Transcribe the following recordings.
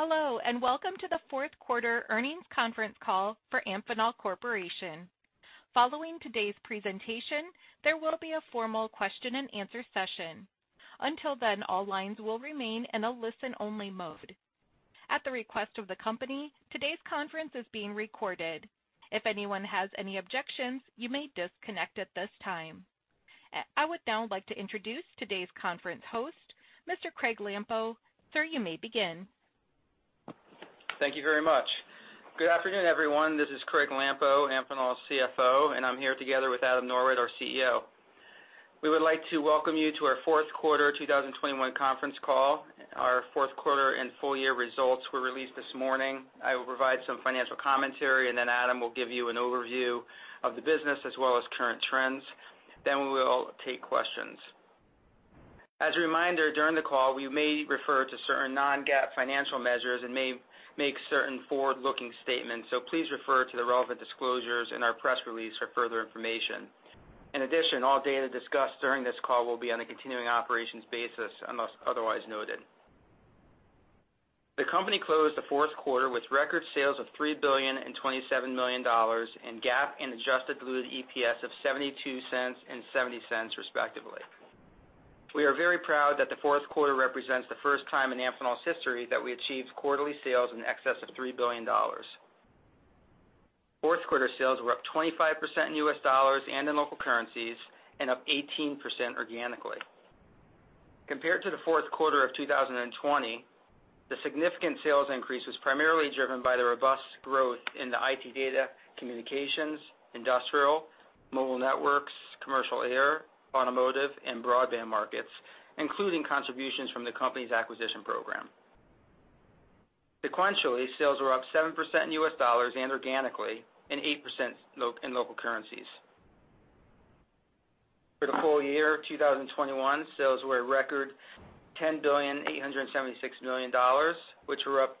Hello, and welcome to the fourth quarter earnings conference call for Amphenol Corporation. Following today's presentation, there will be a formal question-and-answer session. Until then, all lines will remain in a listen-only mode. At the request of the company, today's conference is being recorded. If anyone has any objections, you may disconnect at this time. I would now like to introduce today's conference host, Mr. Craig Lampo. Sir, you may begin. Thank you very much. Good afternoon, everyone. This is Craig Lampo, Amphenol's CFO, and I'm here together with Adam Norwitt, our CEO. We would like to welcome you to our fourth quarter 2021 conference call. Our fourth quarter and full year results were released this morning. I will provide some financial commentary, and then Adam will give you an overview of the business as well as current trends. Then we will take questions. As a reminder, during the call, we may refer to certain non-GAAP financial measures and may make certain forward-looking statements, so please refer to the relevant disclosures in our press release for further information. In addition, all data discussed during this call will be on a continuing operations basis unless otherwise noted. The company closed the fourth quarter with record sales of $3.027 billion and GAAP and adjusted diluted EPS of $0.72 and $0.70, respectively. We are very proud that the fourth quarter represents the first time in Amphenol's history that we achieved quarterly sales in excess of $3 billion. Fourth quarter sales were up 25% in U.S. dollars and in local currencies, and up 18% organically. Compared to the fourth quarter of 2020, the significant sales increase was primarily driven by the robust growth in the IT data communications, industrial, mobile networks, commercial air, automotive, and broadband markets, including contributions from the company's acquisition program. Sequentially, sales were up 7% in U.S. dollars and organically, and 8% in local currencies. For the full year of 2021, sales were a record $10.876 billion, which were up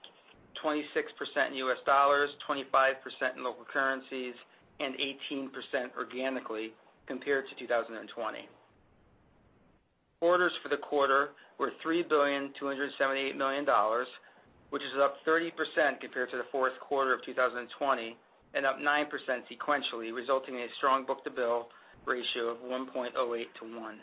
26% in U.S. dollars, 25% in local currencies, and 18% organically compared to 2020. Orders for the quarter were $3.278 billion, which is up 30% compared to the fourth quarter of 2020, and up 9% sequentially, resulting in a strong book-to-bill ratio of 1.08 to 1.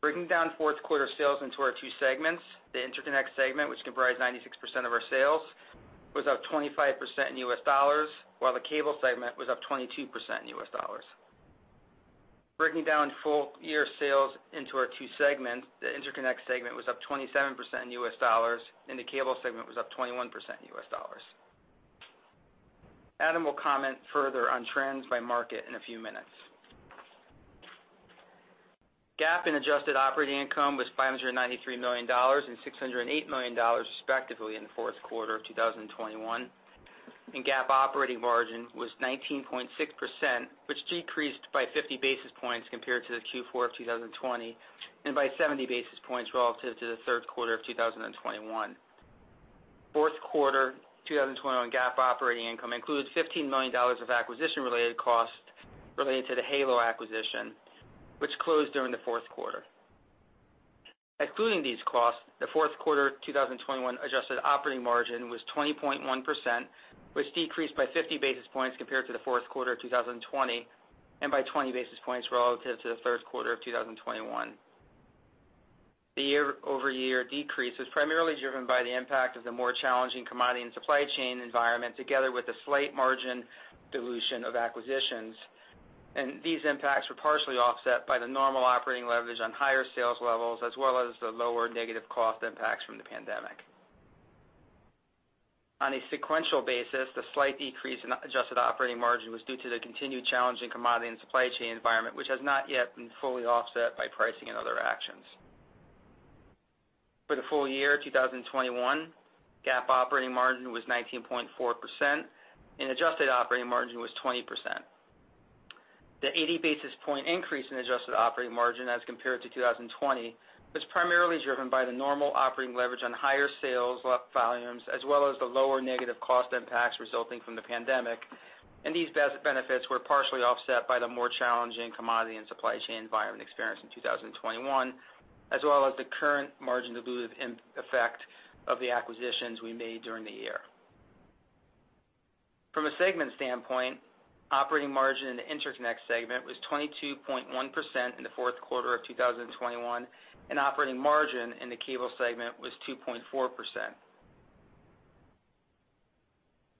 Breaking down fourth quarter sales into our two segments, the interconnect segment, which comprised 96% of our sales, was up 25% in U.S. dollars, while the cable segment was up 22% in U.S. dollars. Breaking down full year sales into our two segments, the interconnect segment was up 27% in U.S. dollars, and the cable segment was up 21% in U.S. dollars. Adam will comment further on trends by market in a few minutes. GAAP and adjusted operating income was $593 million and $608 million, respectively, in the fourth quarter of 2021. GAAP operating margin was 19.6%, which decreased by 50 basis points compared to the Q4 of 2020, and by 70 basis points relative to the third quarter of 2021. Fourth quarter 2021 GAAP operating income includes $15 million of acquisition-related costs related to the Halo acquisition, which closed during the fourth quarter. Excluding these costs, the fourth quarter 2021 adjusted operating margin was 20.1%, which decreased by 50 basis points compared to the fourth quarter of 2020, and by 20 basis points relative to the third quarter of 2021. The year-over-year decrease was primarily driven by the impact of the more challenging commodity and supply chain environment together with a slight margin dilution of acquisitions. These impacts were partially offset by the normal operating leverage on higher sales levels as well as the lower negative cost impacts from the pandemic. On a sequential basis, the slight decrease in adjusted operating margin was due to the continued challenging commodity and supply chain environment, which has not yet been fully offset by pricing and other actions. For the full year 2021, GAAP operating margin was 19.4% and adjusted operating margin was 20%. The 80 basis point increase in adjusted operating margin as compared to 2020 was primarily driven by the normal operating leverage on higher sales volumes as well as the lower negative cost impacts resulting from the pandemic. These benefits were partially offset by the more challenging commodity and supply chain environment experienced in 2021, as well as the current margin dilutive impact of the acquisitions we made during the year. From a segment standpoint, operating margin in the interconnect segment was 22.1% in the fourth quarter of 2021, and operating margin in the cable segment was 2.4%.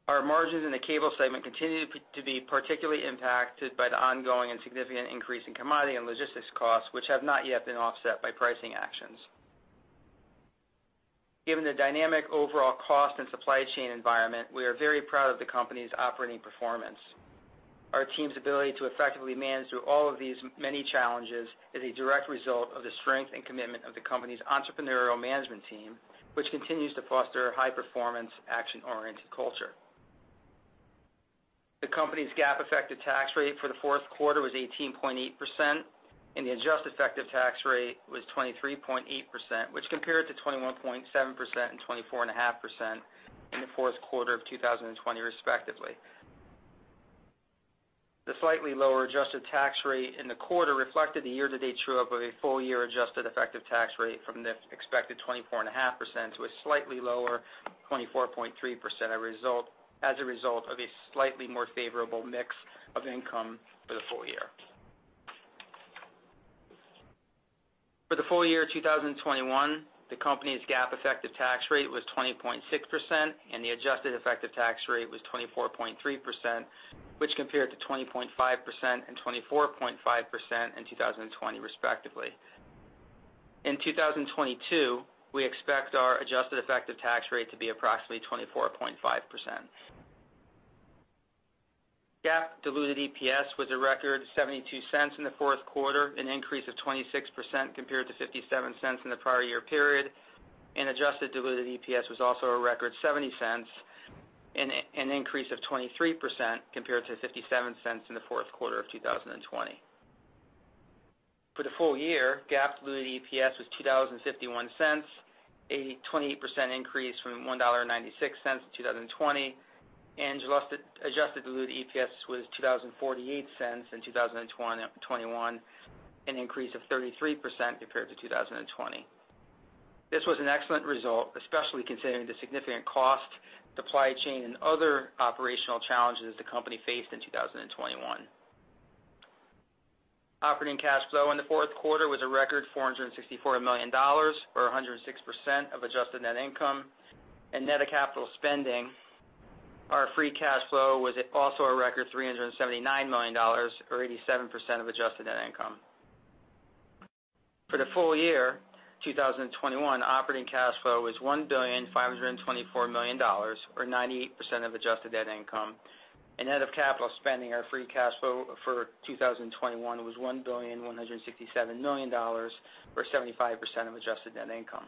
Our margins in the cable segment continue to be particularly impacted by the ongoing and significant increase in commodity and logistics costs, which have not yet been offset by pricing actions. Given the dynamic overall cost and supply chain environment, we are very proud of the company's operating performance. Our team's ability to effectively manage through all of these many challenges is a direct result of the strength and commitment of the company's entrepreneurial management team, which continues to foster a high-performance, action-oriented culture. The company's GAAP effective tax rate for the fourth quarter was 18.8%, and the adjusted effective tax rate was 23.8%, which compared to 21.7% and 24.5% in the fourth quarter of 2020 respectively. The slightly lower adjusted tax rate in the quarter reflected the year-to-date true up of a full year adjusted effective tax rate from the expected 24.5% to a slightly lower 24.3%, as a result of a slightly more favorable mix of income for the full year. For the full year 2021, the company's GAAP effective tax rate was 20.6%, and the adjusted effective tax rate was 24.3%, which compared to 20.5% and 24.5% in 2020 respectively. In 2022, we expect our adjusted effective tax rate to be approximately 24.5%. GAAP diluted EPS was a record $0.72 in the fourth quarter, an increase of 26% compared to $0.57 in the prior year period, and adjusted diluted EPS was also a record $0.70, an increase of 23% compared to $0.57 in the fourth quarter of 2020. For the full year, GAAP diluted EPS was $2.51, a 28% increase from $1.96 in 2020. Adjusted diluted EPS was $2.48 in 2021, an increase of 33% compared to 2020. This was an excellent result, especially considering the significant cost, supply chain, and other operational challenges the company faced in 2021. Operating cash flow in the fourth quarter was a record $464 million, or 106% of adjusted net income. Net of capital spending, our free cash flow was also a record $379 million or 87% of adjusted net income. For the full year 2021, operating cash flow was $1,524 million, or 98% of adjusted net income. Net of capital spending, our free cash flow for 2021 was $1.167 billion, or 75% of adjusted net income.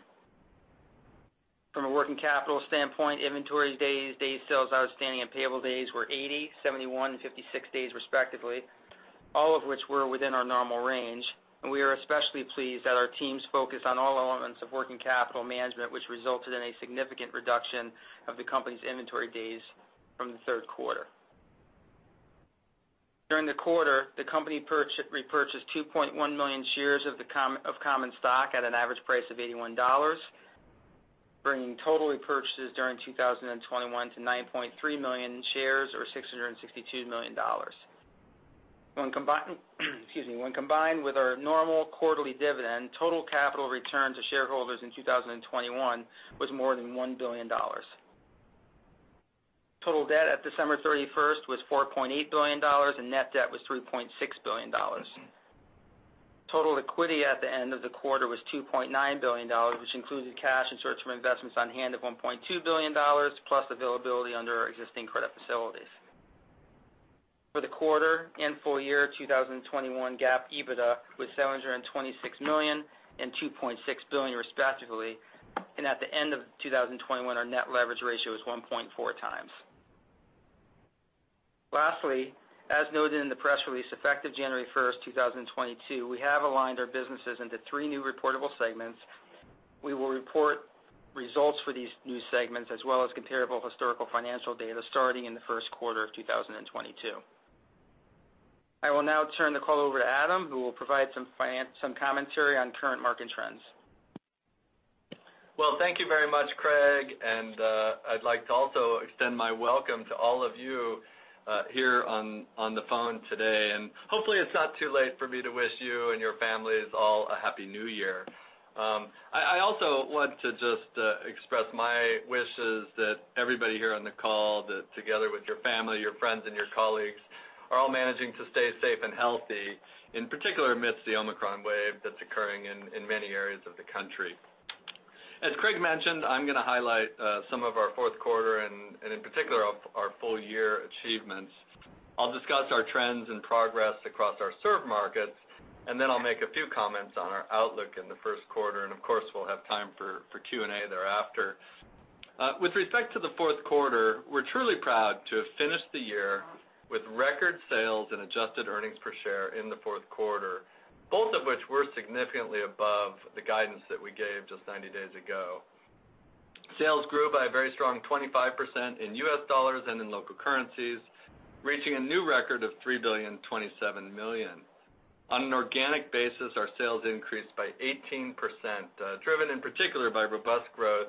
From a working capital standpoint, inventory days sales outstanding, and payable days were 80, 71, and 56 days respectively, all of which were within our normal range. We are especially pleased that our teams focus on all elements of working capital management, which resulted in a significant reduction of the company's inventory days from the third quarter. During the quarter, the company repurchased 2.1 million shares of common stock at an average price of $81, bringing total repurchases during 2021 to 9.3 million shares or $662 million. When combined with our normal quarterly dividend, total capital return to shareholders in 2021 was more than $1 billion. Total debt at December 31st was $4.8 billion, and net debt was $3.6 billion. Total equity at the end of the quarter was $2.9 billion, which included cash and short-term investments on hand of $1.2 billion, plus availability under our existing credit facilities. For the quarter and full year 2021 GAAP EBITDA was $726 million and $2.6 billion respectively. At the end of 2021, our net leverage ratio is 1.4x. Lastly, as noted in the press release, effective January 1st, 2022, we have aligned our businesses into three new reportable segments. We will report results for these new segments as well as comparable historical financial data starting in the first quarter of 2022. I will now turn the call over to Adam, who will provide some commentary on current market trends. Well, thank you very much, Craig, and I'd like to also extend my welcome to all of you here on the phone today. Hopefully it's not too late for me to wish you and your families all a Happy New Year. I also want to just express my wishes that everybody here on the call that together with your family, your friends, and your colleagues, are all managing to stay safe and healthy. In particular, amidst the Omicron wave that's occurring in many areas of the country. As Craig mentioned, I'm gonna highlight some of our fourth quarter and in particular, our full year achievements. I'll discuss our trends and progress across our served markets, and then I'll make a few comments on our outlook in the first quarter. Of course, we'll have time for Q&A thereafter. With respect to the fourth quarter, we're truly proud to have finished the year with record sales and adjusted earnings per share in the fourth quarter, both of which were significantly above the guidance that we gave just 90 days ago. Sales grew by a very strong 25% in U.S. dollars and in local currencies, reaching a new record of $3.027 billion. On an organic basis, our sales increased by 18%, driven in particular by robust growth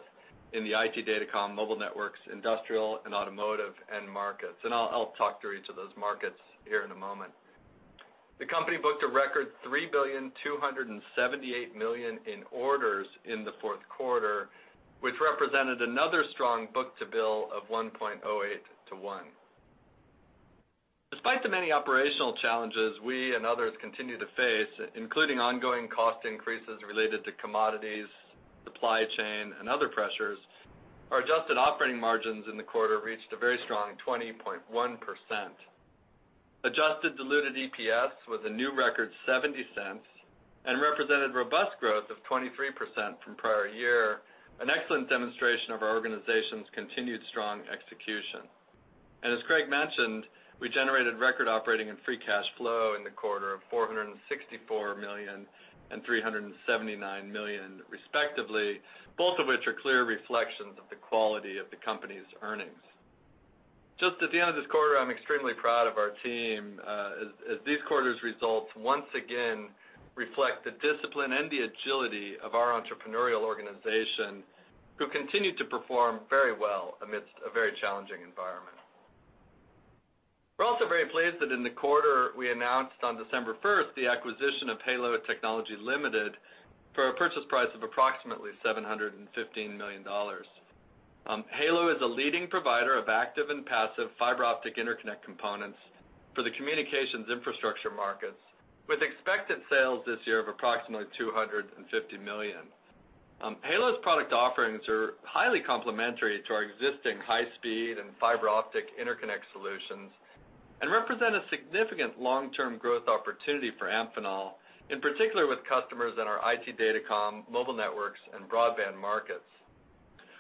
in the IT datacom, mobile networks, industrial, and automotive end markets. I'll talk through each of those markets here in a moment. The company booked a record $3.278 billion in orders in the fourth quarter, which represented another strong book-to-bill of 1.08 to 1. Despite the many operational challenges we and others continue to face, including ongoing cost increases related to commodities, supply chain, and other pressures, our adjusted operating margins in the quarter reached a very strong 20.1%. Adjusted diluted EPS with a new record $0.70 and represented robust growth of 23% from prior year, an excellent demonstration of our organization's continued strong execution. As Craig mentioned, we generated record operating and free cash flow in the quarter of $464 million and $379 million respectively, both of which are clear reflections of the quality of the company's earnings. Just at the end of this quarter, I'm extremely proud of our team, as this quarter's results once again reflect the discipline and the agility of our entrepreneurial organization, who continue to perform very well amidst a very challenging environment. We're also very pleased that in the quarter we announced on December 1st, the acquisition of Halo Technology Limited for a purchase price of approximately $715 million. Halo is a leading provider of active and passive fiber optic interconnect components for the communications infrastructure markets, with expected sales this year of approximately $250 million. Halo's product offerings are highly complementary to our existing high speed and fiber optic interconnect solutions, and represent a significant long-term growth opportunity for Amphenol, in particular with customers in our IT datacom, mobile networks, and broadband markets.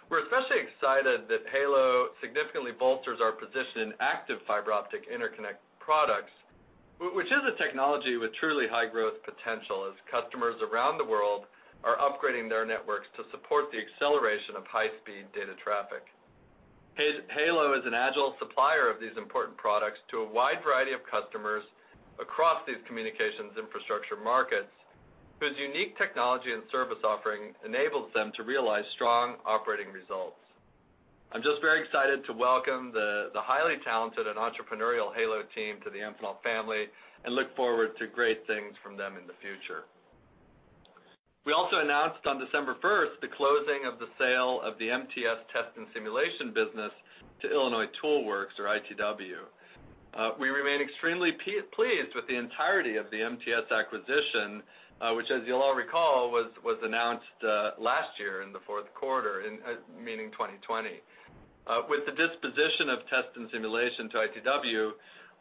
We're especially excited that Halo significantly bolsters our position in active fiber optic interconnect products, which is a technology with truly high growth potential as customers around the world are upgrading their networks to support the acceleration of high-speed data traffic. Halo is an agile supplier of these important products to a wide variety of customers across these communications infrastructure markets, whose unique technology and service offering enables them to realize strong operating results. I'm just very excited to welcome the highly talented and entrepreneurial Halo team to the Amphenol family, and look forward to great things from them in the future. We also announced on December 1st the closing of the sale of the MTS Test & Simulation business to Illinois Tool Works or ITW. We remain extremely pleased with the entirety of the MTS acquisition, which as you'll all recall, was announced last year in the fourth quarter in 2020. With the disposition of Test & Simulation to ITW,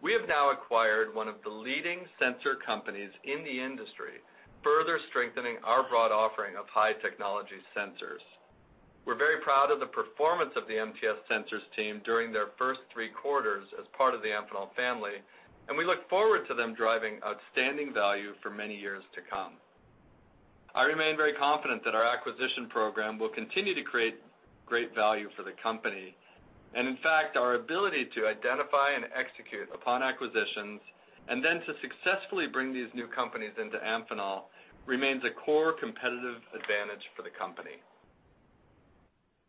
we have now acquired one of the leading sensor companies in the industry, further strengthening our broad offering of high technology sensors. We're very proud of the performance of the MTS Sensors team during their first three quarters as part of the Amphenol family, and we look forward to them driving outstanding value for many years to come. I remain very confident that our acquisition program will continue to create great value for the company. In fact, our ability to identify and execute upon acquisitions, and then to successfully bring these new companies into Amphenol remains a core competitive advantage for the company.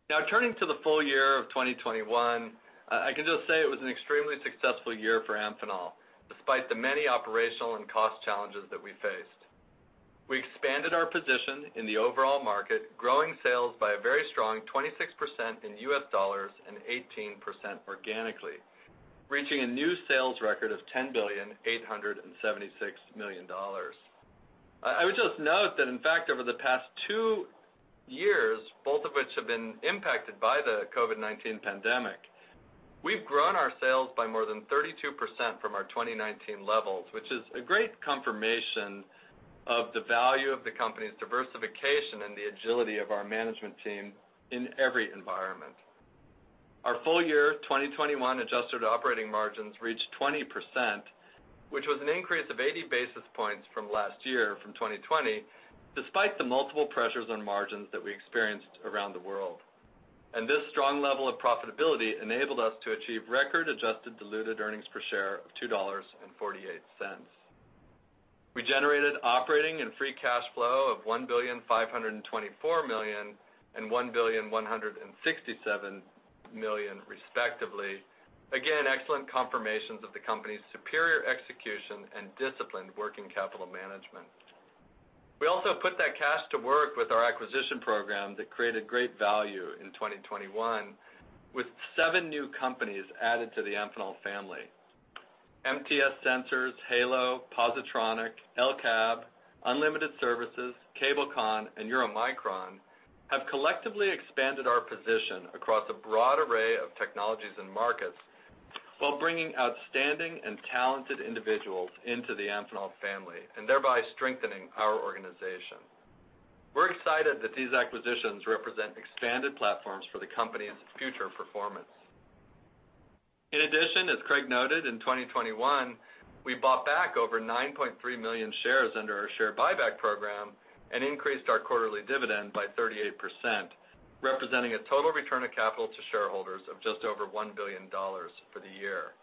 Now turning to the full year of 2021, I can just say it was an extremely successful year for Amphenol, despite the many operational and cost challenges that we faced. We expanded our position in the overall market, growing sales by a very strong 26% in U.S. dollars and 18% organically, reaching a new sales record of $10.876 billion. I would just note that in fact over the past 2 years, both of which have been impacted by the COVID-19 pandemic, we've grown our sales by more than 32% from our 2019 levels, which is a great confirmation of the value of the company's diversification and the agility of our management team in every environment. Our full year 2021 adjusted operating margins reached 20%, which was an increase of 80 basis points from last year from 2020, despite the multiple pressures on margins that we experienced around the world. This strong level of profitability enabled us to achieve record adjusted diluted earnings per share of $2.48. We generated operating and free cash flow of $1.524 billion and $1.167 billion respectively. Again, excellent confirmations of the company's superior execution and disciplined working capital management. We also put that cash to work with our acquisition program that created great value in 2021, with seven new companies added to the Amphenol family. MTS Sensors, Halo, Positronic, El-Cab, Unlimited Services, Cabelcon, and Euromicron have collectively expanded our position across a broad array of technologies and markets, while bringing outstanding and talented individuals into the Amphenol family and thereby strengthening our organization. We're excited that these acquisitions represent expanded platforms for the company and its future performance. In addition, as Craig noted, in 2021, we bought back over 9.3 million shares under our share buyback program and increased our quarterly dividend by 38%, representing a total return of capital to shareholders of just over $1 billion for the year.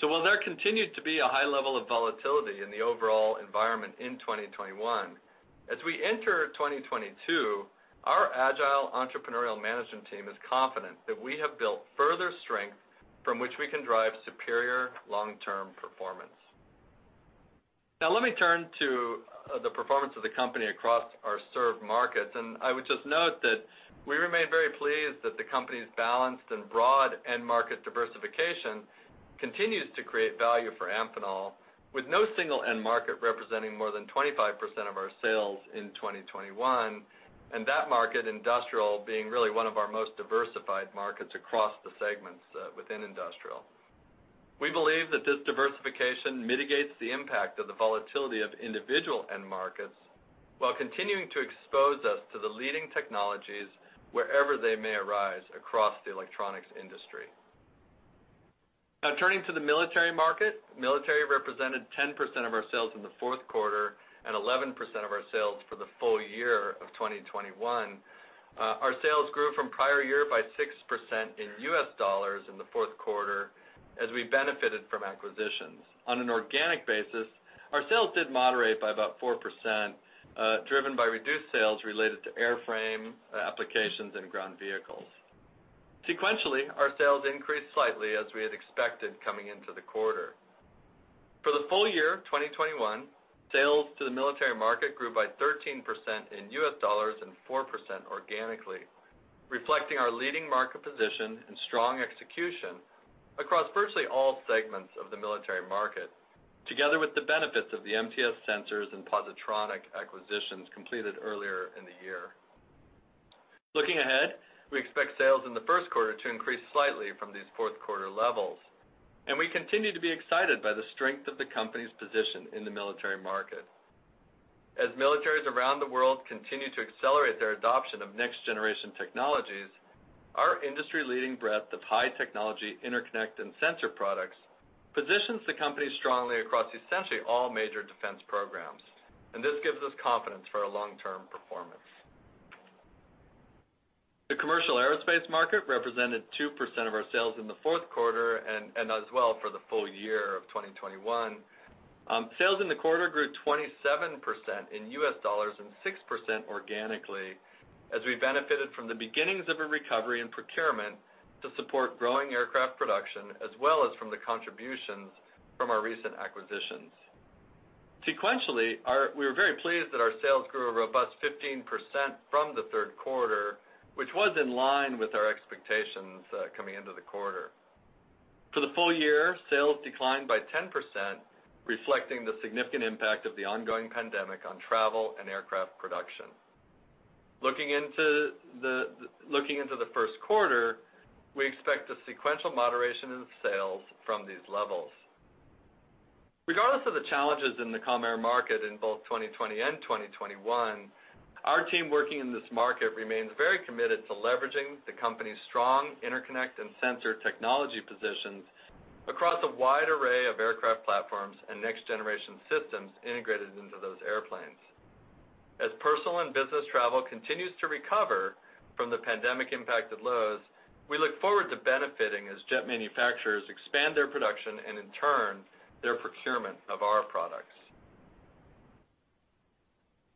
While there continued to be a high level of volatility in the overall environment in 2021, as we enter 2022, our agile entrepreneurial management team is confident that we have built further strength from which we can drive superior long-term performance. Now let me turn to the performance of the company across our served markets, and I would just note that we remain very pleased that the company's balanced and broad end market diversification continues to create value for Amphenol with no single end market representing more than 25% of our sales in 2021, and that market, industrial, being really one of our most diversified markets across the segments within industrial. We believe that this diversification mitigates the impact of the volatility of individual end markets while continuing to expose us to the leading technologies wherever they may arise across the electronics industry. Now turning to the military market. Military represented 10% of our sales in the fourth quarter and 11% of our sales for the full year of 2021. Our sales grew from prior year by 6% in U.S. dollars in the fourth quarter as we benefited from acquisitions. On an organic basis, our sales did moderate by about 4%, driven by reduced sales related to airframe applications and ground vehicles. Sequentially, our sales increased slightly as we had expected coming into the quarter. For the full year of 2021, sales to the military market grew by 13% in U.S. dollars and 4% organically, reflecting our leading market position and strong execution across virtually all segments of the military market, together with the benefits of the MTS Sensors and Positronic acquisitions completed earlier in the year. Looking ahead, we expect sales in the first quarter to increase slightly from these fourth quarter levels, and we continue to be excited by the strength of the company's position in the military market. As militaries around the world continue to accelerate their adoption of next-generation technologies, our industry-leading breadth of high-technology interconnect and sensor products positions the company strongly across essentially all major defense programs, and this gives us confidence for our long-term performance. The commercial aerospace market represented 2% of our sales in the fourth quarter and as well for the full year of 2021. Sales in the quarter grew 27% in U.S. dollars and 6% organically as we benefited from the beginnings of a recovery in procurement to support growing aircraft production, as well as from the contributions from our recent acquisitions. Sequentially, we were very pleased that our sales grew a robust 15% from the third quarter, which was in line with our expectations coming into the quarter. For the full year, sales declined by 10%, reflecting the significant impact of the ongoing pandemic on travel and aircraft production. Looking into the first quarter, we expect a sequential moderation in sales from these levels. Regardless of the challenges in the commercial air market in both 2020 and 2021, our team working in this market remains very committed to leveraging the company's strong interconnect and sensor technology positions across a wide array of aircraft platforms and next-generation systems integrated into those airplanes. As personal and business travel continues to recover from the pandemic impacted lows, we look forward to benefiting as jet manufacturers expand their production and in turn, their procurement of our products.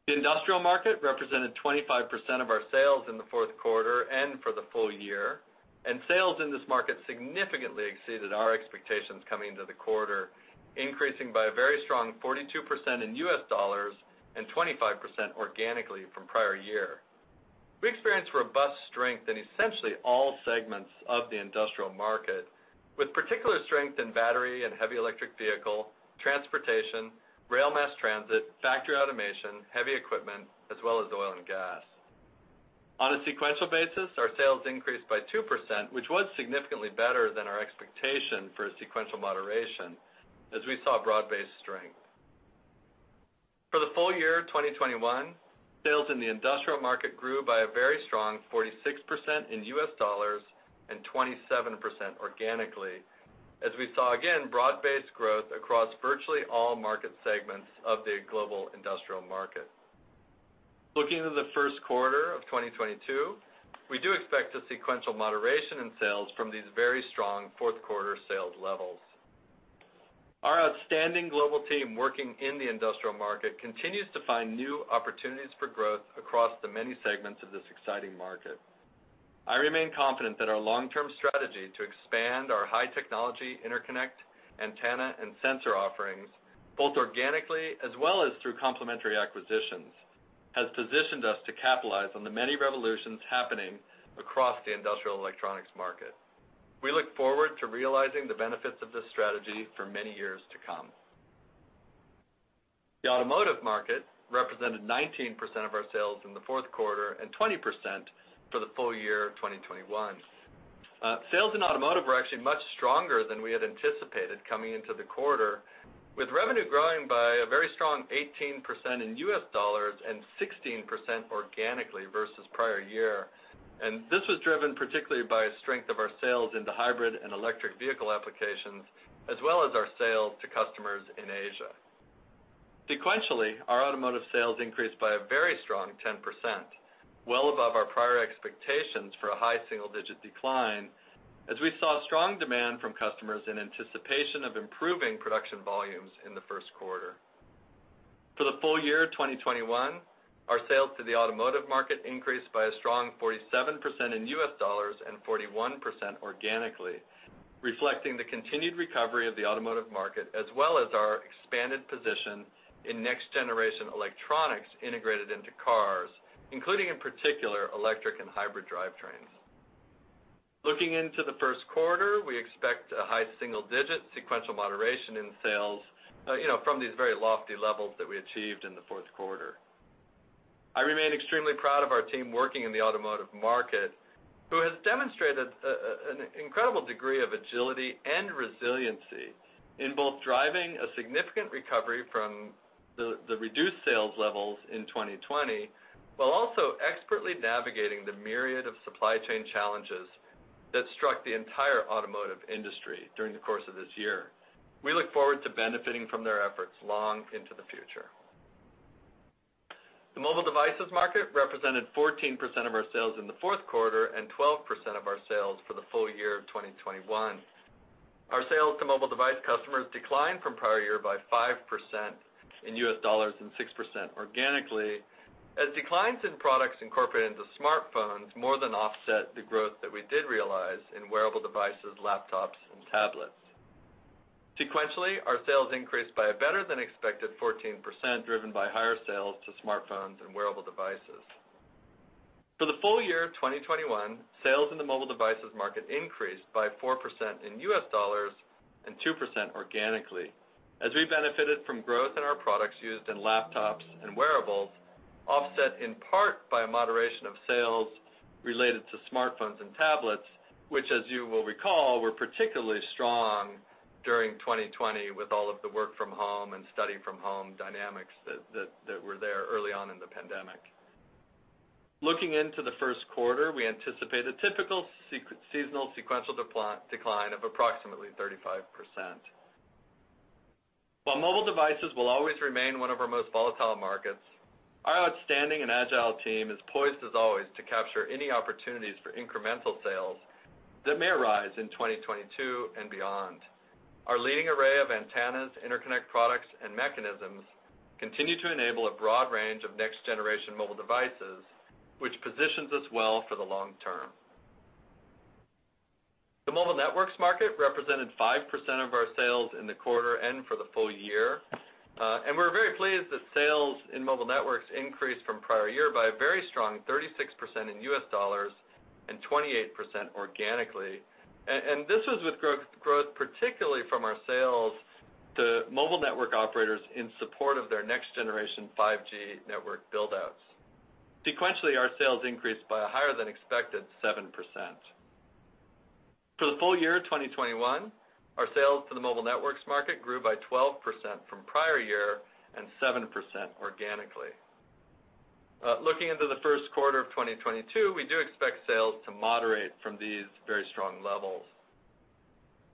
The industrial market represented 25% of our sales in the fourth quarter and for the full year, and sales in this market significantly exceeded our expectations coming into the quarter, increasing by a very strong 42% in U.S. dollars and 25% organically from prior year. We experienced robust strength in essentially all segments of the industrial market, with particular strength in battery and heavy electric vehicle, transportation, rail mass transit, factory automation, heavy equipment, as well as oil and gas. On a sequential basis, our sales increased by 2%, which was significantly better than our expectation for a sequential moderation as we saw broad-based strength. For the full year of 2021, sales in the industrial market grew by a very strong 46% in U.S. dollars and 27% organically as we saw again broad-based growth across virtually all market segments of the global industrial market. Looking into the first quarter of 2022, we do expect a sequential moderation in sales from these very strong fourth quarter sales levels. Our outstanding global team working in the industrial market continues to find new opportunities for growth across the many segments of this exciting market. I remain confident that our long-term strategy to expand our high technology interconnect, antenna, and sensor offerings, both organically as well as through complementary acquisitions, has positioned us to capitalize on the many revolutions happening across the industrial electronics market. We look forward to realizing the benefits of this strategy for many years to come. The automotive market represented 19% of our sales in the fourth quarter and 20% for the full year of 2021. Sales in automotive were actually much stronger than we had anticipated coming into the quarter, with revenue growing by a very strong 18% in U.S. dollars and 16% organically versus prior year. This was driven particularly by strength of our sales into hybrid and electric vehicle applications, as well as our sales to customers in Asia. Sequentially, our automotive sales increased by a very strong 10%, well above our prior expectations for a high single-digit decline as we saw strong demand from customers in anticipation of improving production volumes in the first quarter. For the full year of 2021, our sales to the automotive market increased by a strong 47% in U.S. dollars and 41% organically, reflecting the continued recovery of the automotive market, as well as our expanded position in next generation electronics integrated into cars, including in particular electric and hybrid drivetrains. Looking into the first quarter, we expect a high single-digit sequential moderation in sales from these very lofty levels that we achieved in the fourth quarter. I remain extremely proud of our team working in the automotive market, who has demonstrated an incredible degree of agility and resiliency in both driving a significant recovery from the reduced sales levels in 2020, while also expertly navigating the myriad of supply chain challenges that struck the entire automotive industry during the course of this year. We look forward to benefiting from their efforts long into the future. The mobile devices market represented 14% of our sales in the fourth quarter and 12% of our sales for the full year of 2021. Our sales to mobile device customers declined from prior year by 5% in U.S. dollars and 6% organically as declines in products incorporated into smartphones more than offset the growth that we did realize in wearable devices, laptops, and tablets. Sequentially, our sales increased by a better than expected 14%, driven by higher sales to smartphones and wearable devices. For the full year of 2021, sales in the mobile devices market increased by 4% in U.S. dollars and 2% organically as we benefited from growth in our products used in laptops and wearables, offset in part by a moderation of sales related to smartphones and tablets, which, as you will recall, were particularly strong during 2020 with all of the work from home and study from home dynamics that were there early on in the pandemic. Looking into the first quarter, we anticipate a typical seasonal sequential decline of approximately 35%. While mobile devices will always remain one of our most volatile markets, our outstanding and agile team is poised as always to capture any opportunities for incremental sales that may arise in 2022 and beyond. Our leading array of antennas, interconnect products and mechanisms continue to enable a broad range of next-generation mobile devices, which positions us well for the long term. The mobile networks market represented 5% of our sales in the quarter and for the full year. We're very pleased that sales in mobile networks increased from prior year by a very strong 36% in U.S. dollars and 28% organically. This was with growth particularly from our sales to mobile network operators in support of their next-generation 5G network build outs. Sequentially, our sales increased by a higher than expected 7%. For the full year 2021, our sales to the mobile networks market grew by 12% from prior year and 7% organically. Looking into the first quarter of 2022, we do expect sales to moderate from these very strong levels.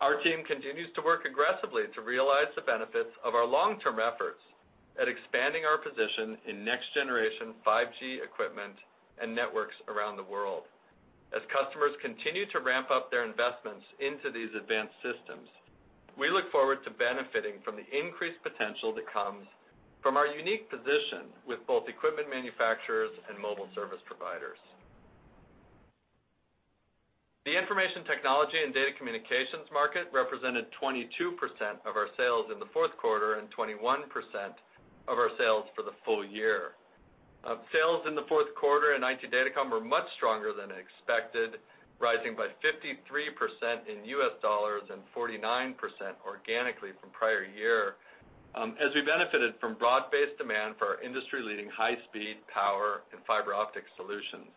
Our team continues to work aggressively to realize the benefits of our long-term efforts at expanding our position in next generation 5G equipment and networks around the world. As customers continue to ramp up their investments into these advanced systems, we look forward to benefiting from the increased potential that comes from our unique position with both equipment manufacturers and mobile service providers. The information technology and data communications market represented 22% of our sales in the fourth quarter and 21% of our sales for the full year. Sales in the fourth quarter in IT datacom were much stronger than expected, rising by 53% in U.S. dollars and 49% organically from prior year, as we benefited from broad-based demand for our industry-leading high-speed power and fiber optic solutions.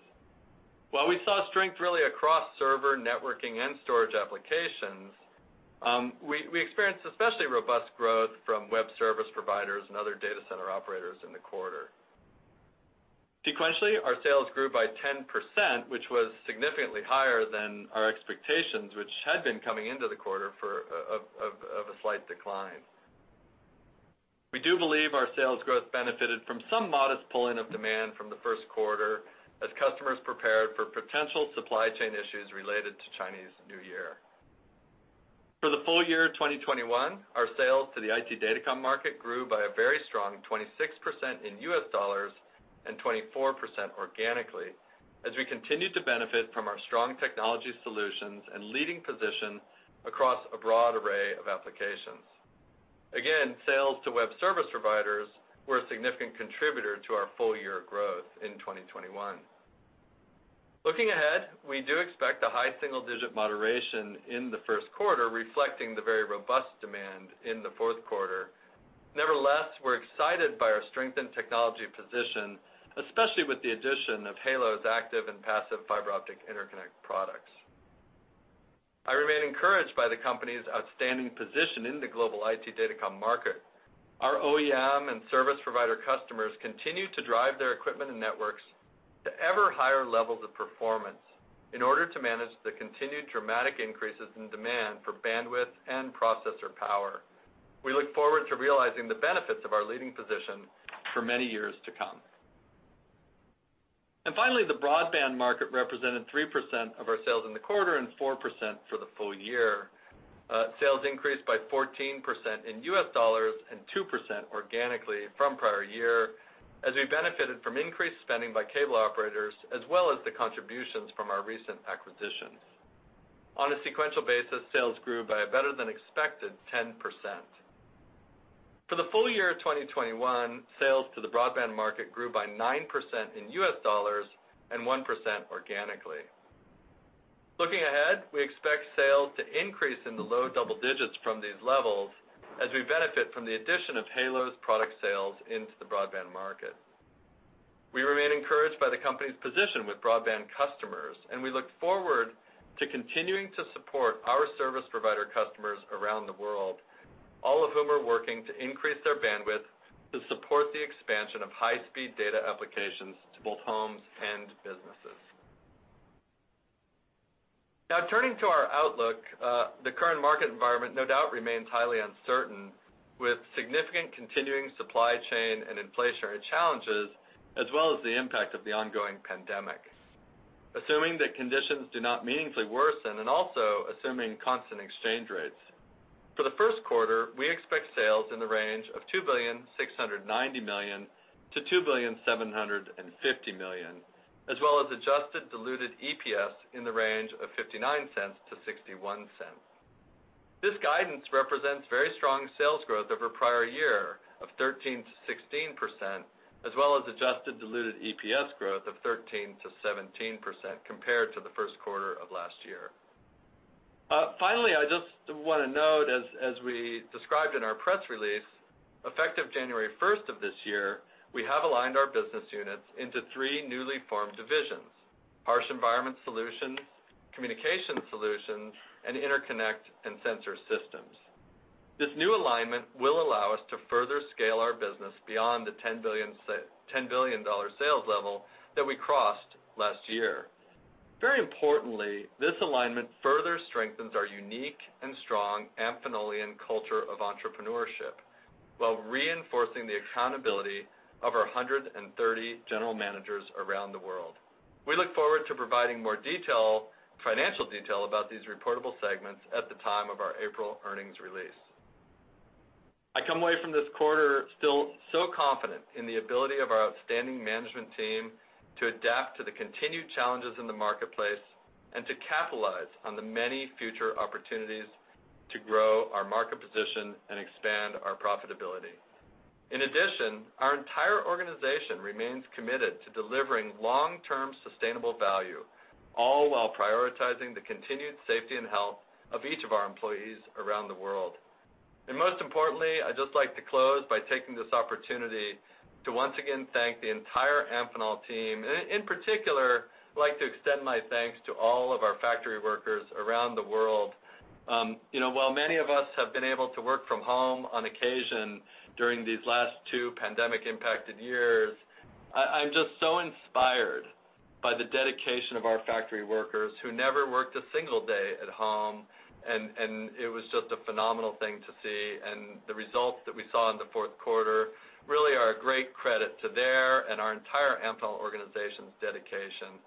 While we saw strength really across server, networking and storage applications, we experienced especially robust growth from web service providers and other data center operators in the quarter. Sequentially, our sales grew by 10%, which was significantly higher than our expectations, which had been coming into the quarter for a slight decline. We do believe our sales growth benefited from some modest pulling of demand from the first quarter as customers prepared for potential supply chain issues related to Chinese New Year. For the full year 2021, our sales to the IT datacom market grew by a very strong 26% in U.S. dollars and 24% organically as we continued to benefit from our strong technology solutions and leading position across a broad array of applications. Again, sales to web service providers were a significant contributor to our full year growth in 2021. Looking ahead, we do expect a high single digit moderation in the first quarter, reflecting the very robust demand in the fourth quarter. Nevertheless, we're excited by our strengthened technology position, especially with the addition of Halo's active and passive fiber optic interconnect products. I remain encouraged by the company's outstanding position in the global IT datacom market. Our OEM and service provider customers continue to drive their equipment and networks to ever higher levels of performance in order to manage the continued dramatic increases in demand for bandwidth and processor power. We look forward to realizing the benefits of our leading position for many years to come. Finally, the broadband market represented 3% of our sales in the quarter and 4% for the full year. Sales increased by 14% in U.S. dollars and 2% organically from prior year as we benefited from increased spending by cable operators, as well as the contributions from our recent acquisitions. On a sequential basis, sales grew by a better than expected 10%. For the full year 2021, sales to the broadband market grew by 9% in U.S. dollars and 1% organically. Looking ahead, we expect sales to increase in the low double digits from these levels as we benefit from the addition of Halo's product sales into the broadband market. We remain encouraged by the company's position with broadband customers, and we look forward to continuing to support our service provider customers around the world, all of whom are working to increase their bandwidth to support the expansion of high-speed data applications to both homes and businesses. Now turning to our outlook, the current market environment no doubt remains highly uncertain, with significant continuing supply chain and inflationary challenges, as well as the impact of the ongoing pandemic. Assuming that conditions do not meaningfully worsen and also assuming constant exchange rates. For the first quarter, we expect sales in the range of $2.690 billion-$2.750 billion, as well as adjusted diluted EPS in the range of $0.59-$0.61. This guidance represents very strong sales growth over prior year of 13%-16%, as well as adjusted diluted EPS growth of 13%-17% compared to the first quarter of last year. Finally, I just want to note as we described in our press release, effective January 1st of this year, we have aligned our business units into three newly formed divisions: Harsh Environment Solutions, Communications Solutions, and Interconnect and Sensor Systems. This new alignment will allow us to further scale our business beyond the $10 billion sales level that we crossed last year. Very importantly, this alignment further strengthens our unique and strong Amphenolian culture of entrepreneurship while reinforcing the accountability of our 130 general managers around the world. We look forward to providing more detail, financial detail about these reportable segments at the time of our April earnings release. I come away from this quarter still so confident in the ability of our outstanding management team to adapt to the continued challenges in the marketplace and to capitalize on the many future opportunities to grow our market position and expand our profitability. In addition, our entire organization remains committed to delivering long-term sustainable value, all while prioritizing the continued safety and health of each of our employees around the world. Most importantly, I'd just like to close by taking this opportunity to once again thank the entire Amphenol team. In particular, I'd like to extend my thanks to all of our factory workers around the world. You know, while many of us have been able to work from home on occasion during these last 2 pandemic-impacted years, I'm just so inspired by the dedication of our factory workers who never worked a single day at home, and it was just a phenomenal thing to see. The results that we saw in the fourth quarter really are a great credit to their and our entire Amphenol organization's dedication.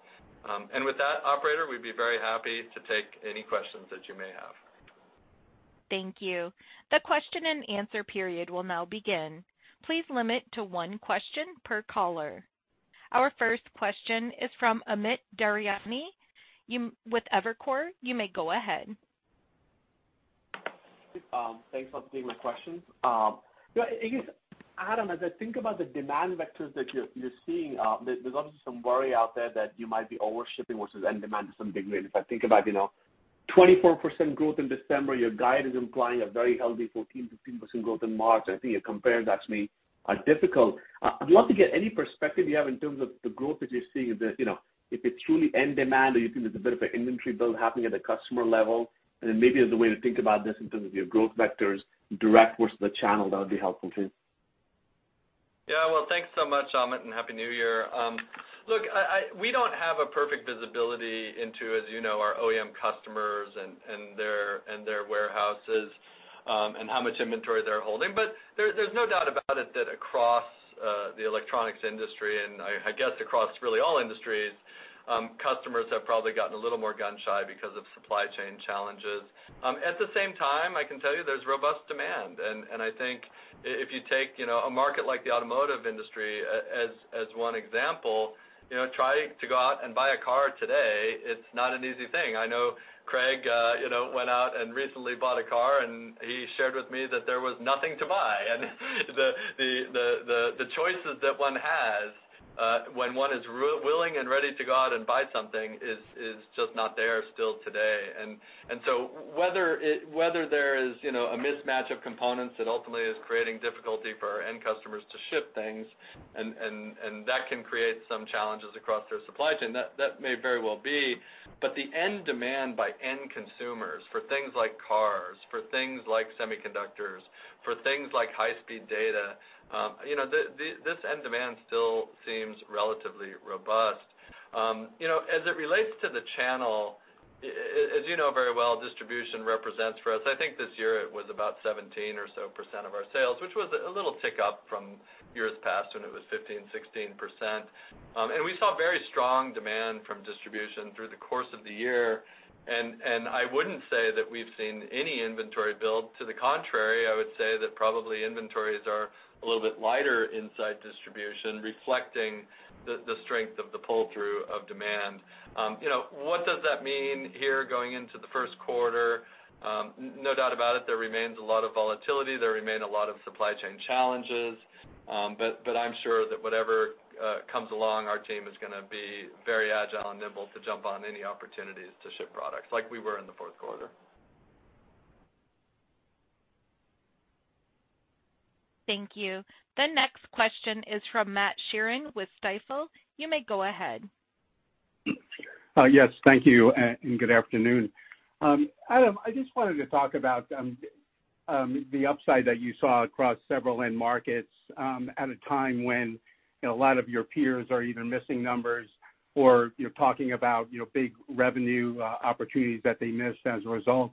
With that, operator, we'd be very happy to take any questions that you may have. Thank you. The question-and-answer period will now begin. Please limit to one question per caller. Our first question is from Amit Daryanani with Evercore. You may go ahead. Thanks for taking my questions. You know, I guess, Adam, as I think about the demand vectors that you're seeing, there's obviously some worry out there that you might be overshipping versus end demand to some degree. If I think about, you know, 24% growth in December, your guide is implying a very healthy 14%-15% growth in March. I think your compares actually are difficult. I'd love to get any perspective you have in terms of the growth that you're seeing, you know, if it's truly end demand or you think there's a bit of an inventory build happening at the customer level. Then maybe as a way to think about this in terms of your growth vectors, direct versus the channel, that would be helpful too. Yeah. Well, thanks so much, Amit, and Happy New Year. Look, we don't have a perfect visibility into, as you know, our OEM customers and their warehouses, and how much inventory they're holding. But there's no doubt about it that across the electronics industry and I guess across really all industries, customers have probably gotten a little more gun-shy because of supply chain challenges. At the same time, I can tell you there's robust demand. I think if you take, you know, a market like the automotive industry as one example, you know, try to go out and buy a car today, it's not an easy thing. I know Craig, you know, went out and recently bought a car, and he shared with me that there was nothing to buy. The choices that one has when one is willing and ready to go out and buy something is just not there still today. So whether there is, you know, a mismatch of components that ultimately is creating difficulty for our end customers to ship things, and that can create some challenges across their supply chain, that may very well be. But the end demand by end consumers for things like cars, for things like semiconductors, for things like high-speed data, you know, this end demand still seems relatively robust. You know, as it relates to the channel, as you know very well, distribution represents for us. I think this year it was about 17% or so of our sales, which was a little tick up from years past when it was 15%, 16%. We saw very strong demand from distribution through the course of the year, and I wouldn't say that we've seen any inventory build. To the contrary, I would say that probably inventories are a little bit lighter inside distribution, reflecting the strength of the pull-through of demand. You know, what does that mean here going into the first quarter? No doubt about it, there remains a lot of volatility, there remain a lot of supply chain challenges. I'm sure that whatever comes along, our team is gonna be very agile and nimble to jump on any opportunities to ship products like we were in the fourth quarter. Thank you. The next question is from Matt Sheerin with Stifel. You may go ahead. Yes, thank you, and good afternoon. Adam, I just wanted to talk about the upside that you saw across several end markets at a time when, you know, a lot of your peers are either missing numbers or you're talking about, you know, big revenue opportunities that they missed as a result.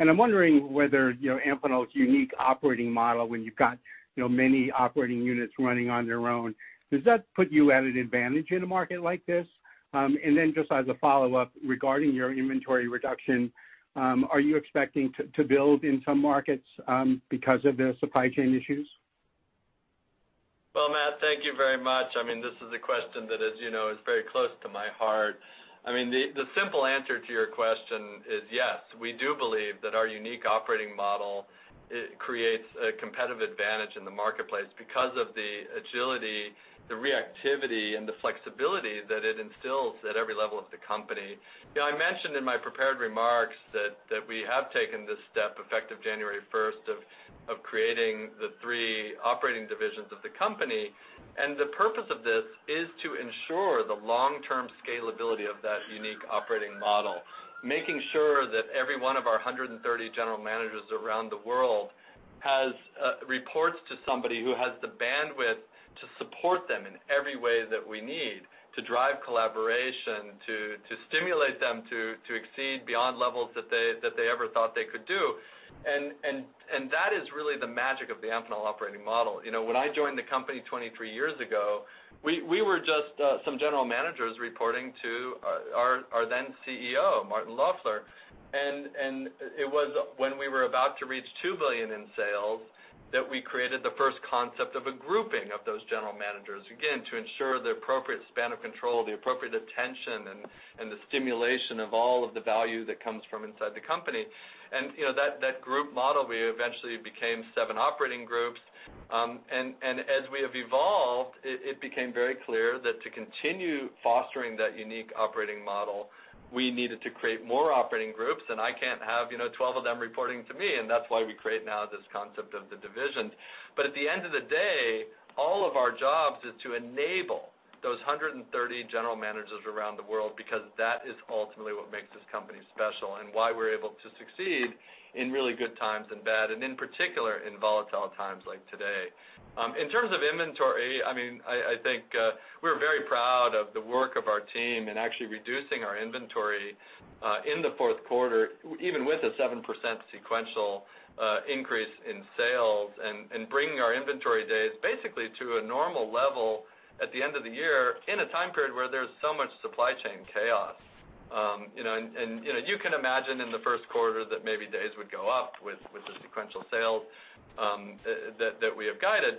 I'm wondering whether, you know, Amphenol's unique operating model, when you've got, you know, many operating units running on their own, does that put you at an advantage in a market like this? Then just as a follow-up regarding your inventory reduction, are you expecting to build in some markets because of the supply chain issues? Well, Matt, thank you very much. I mean, this is a question that, as you know, is very close to my heart. I mean, the simple answer to your question is yes. We do believe that our unique operating model, it creates a competitive advantage in the marketplace because of the agility, the reactivity, and the flexibility that it instills at every level of the company. You know, I mentioned in my prepared remarks that we have taken this step effective January 1st of creating the three operating divisions of the company. The purpose of this is to ensure the long-term scalability of that unique operating model, making sure that every one of our 130 general managers around the world reports to somebody who has the bandwidth to support them in every way that we need to drive collaboration, to stimulate them to exceed beyond levels that they ever thought they could do. That is really the magic of the Amphenol operating model. You know, when I joined the company 23 years ago, we were just some general managers reporting to our then CEO, Martin Loeffler. It was when we were about to reach $2 billion in sales that we created the first concept of a grouping of those general managers, again, to ensure the appropriate span of control, the appropriate attention and the stimulation of all of the value that comes from inside the company. You know, that group model, we eventually became seven operating groups. As we have evolved, it became very clear that to continue fostering that unique operating model, we needed to create more operating groups. I can't have, you know, 12 of them reporting to me, and that's why we create now this concept of the divisions. At the end of the day, all of our jobs is to enable those 130 general managers around the world, because that is ultimately what makes this company special and why we're able to succeed in really good times and bad, and in particular, in volatile times like today. In terms of inventory, I mean, I think, we're very proud of the work of our team in actually reducing our inventory in the fourth quarter, even with a 7% sequential increase in sales and bringing our inventory days basically to a normal level at the end of the year in a time period where there's so much supply chain chaos. You know, and you know, you can imagine in the first quarter that maybe days would go up with the sequential sales, that we have guided.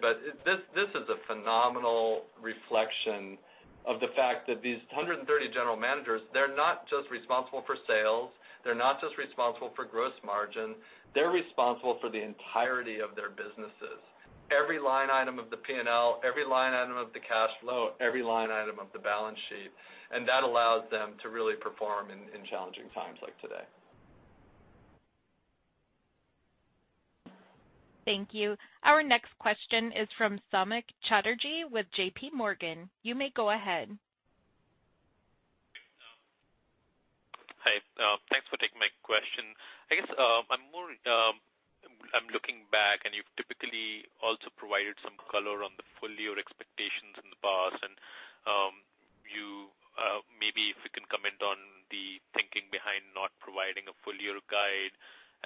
This is a phenomenal reflection of the fact that these 130 general managers, they're not just responsible for sales, they're not just responsible for gross margin, they're responsible for the entirety of their businesses. Every line item of the P&L, every line item of the cash flow, every line item of the balance sheet, and that allows them to really perform in challenging times like today. Thank you. Our next question is from Samik Chatterjee with JPMorgan. You may go ahead. Hi. Thanks for taking my question. I guess I'm looking back, and you've typically also provided some color on the full year expectations in the past. Maybe if you can comment on the thinking behind not providing a full year guide,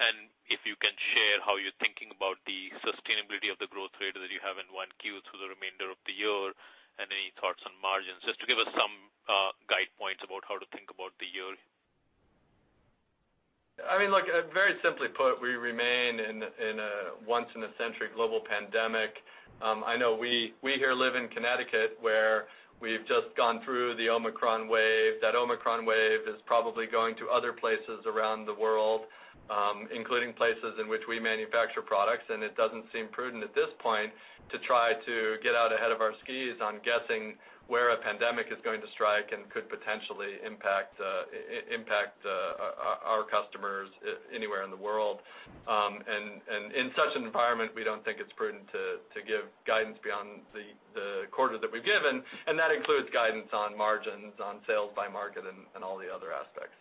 and if you can share how you're thinking about the sustainability of the growth rate that you have in 1Q through the remainder of the year and any thoughts on margins, just to give us some guide points about how to think about the year? I mean, look, very simply put, we remain in a once in a century global pandemic. I know we here live in Connecticut, where we've just gone through the Omicron wave. That Omicron wave is probably going to other places around the world, including places in which we manufacture products. It doesn't seem prudent at this point to try to get out ahead of our skis on guessing where a pandemic is going to strike and could potentially impact our customers anywhere in the world. In such an environment, we don't think it's prudent to give guidance beyond the quarter that we've given, and that includes guidance on margins, on sales by market, and all the other aspects.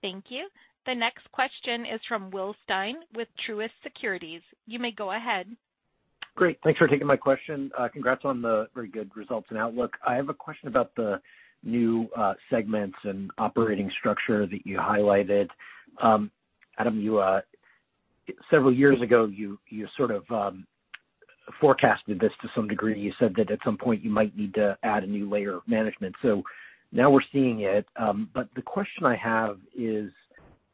Thank you. The next question is from Will Stein with Truist Securities. You may go ahead. Great. Thanks for taking my question. Congrats on the very good results and outlook. I have a question about the new segments and operating structure that you highlighted. Adam, you several years ago forecasted this to some degree. You said that at some point you might need to add a new layer of management. Now we're seeing it. The question I have is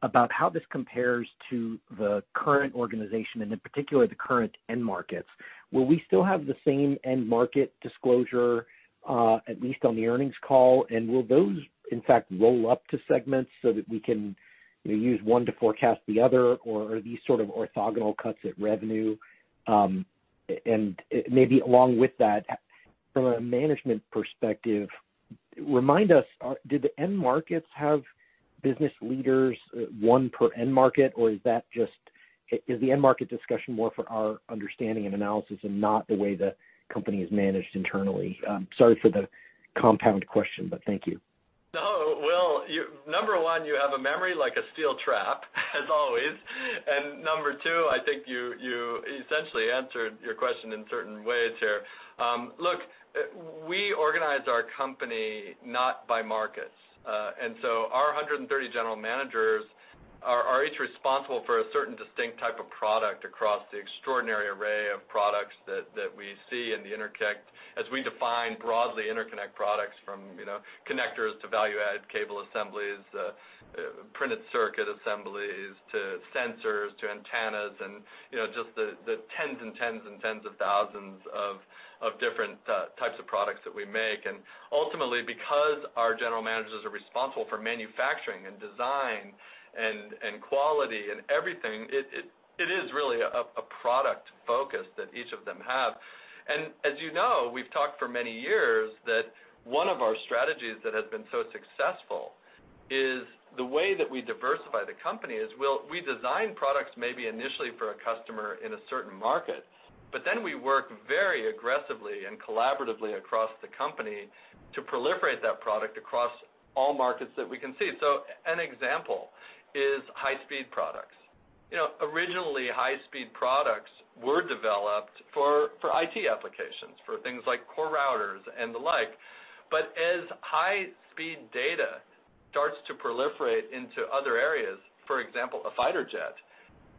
about how this compares to the current organization and in particular, the current end markets. Will we still have the same end market disclosure at least on the earnings call? Will those in fact roll up to segments so that we can you know use one to forecast the other? Or are these sort of orthogonal cuts at revenue? Maybe along with that, from a management perspective, remind us. Did the end markets have business leaders, one per end market? Or is that just the end market discussion more for our understanding and analysis and not the way the company is managed internally? Sorry for the compound question, but thank you. No. Well, number one, you have a memory like a steel trap, as always. Number two, I think you essentially answered your question in certain ways here. Look, we organize our company not by markets. Our 130 general managers are each responsible for a certain distinct type of product across the extraordinary array of products that we see in the interconnect, as we define broadly interconnect products from, you know, connectors to value-added cable assemblies, printed circuit assemblies to sensors to antennas and, you know, just the tens of thousands of different types of products that we make. Ultimately, because our general managers are responsible for manufacturing and design and quality and everything, it is really a product focus that each of them have. As you know, we've talked for many years that one of our strategies that has been so successful is the way that we diversify the company is we design products maybe initially for a customer in a certain market, but then we work very aggressively and collaboratively across the company to proliferate that product across all markets that we can see. An example is high-speed products. You know, originally, high-speed products were developed for IT applications, for things like core routers and the like. As high-speed data starts to proliferate into other areas, for example, a fighter jet,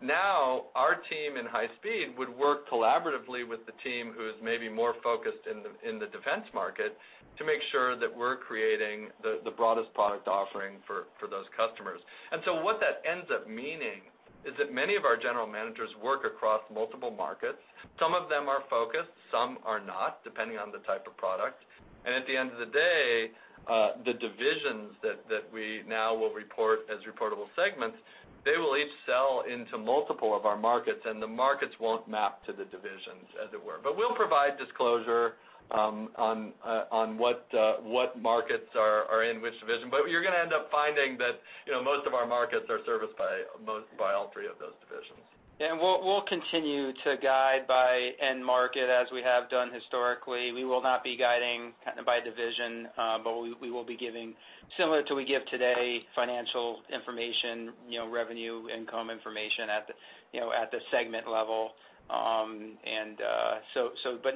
now our team in high speed would work collaboratively with the team who's maybe more focused in the defense market to make sure that we're creating the broadest product offering for those customers. What that ends up meaning is that many of our general managers work across multiple markets. Some of them are focused, some are not, depending on the type of product. At the end of the day, the divisions that we now will report as reportable segments, they will each sell into multiple of our markets, and the markets won't map to the divisions, as it were. We'll provide disclosure on what markets are in which division. You're gonna end up finding that, you know, most of our markets are serviced by all three of those divisions. We'll continue to guide by end market as we have done historically. We will not be guiding by division, but we will be giving similar to what we give today financial information, you know, revenue, income information at the segment level.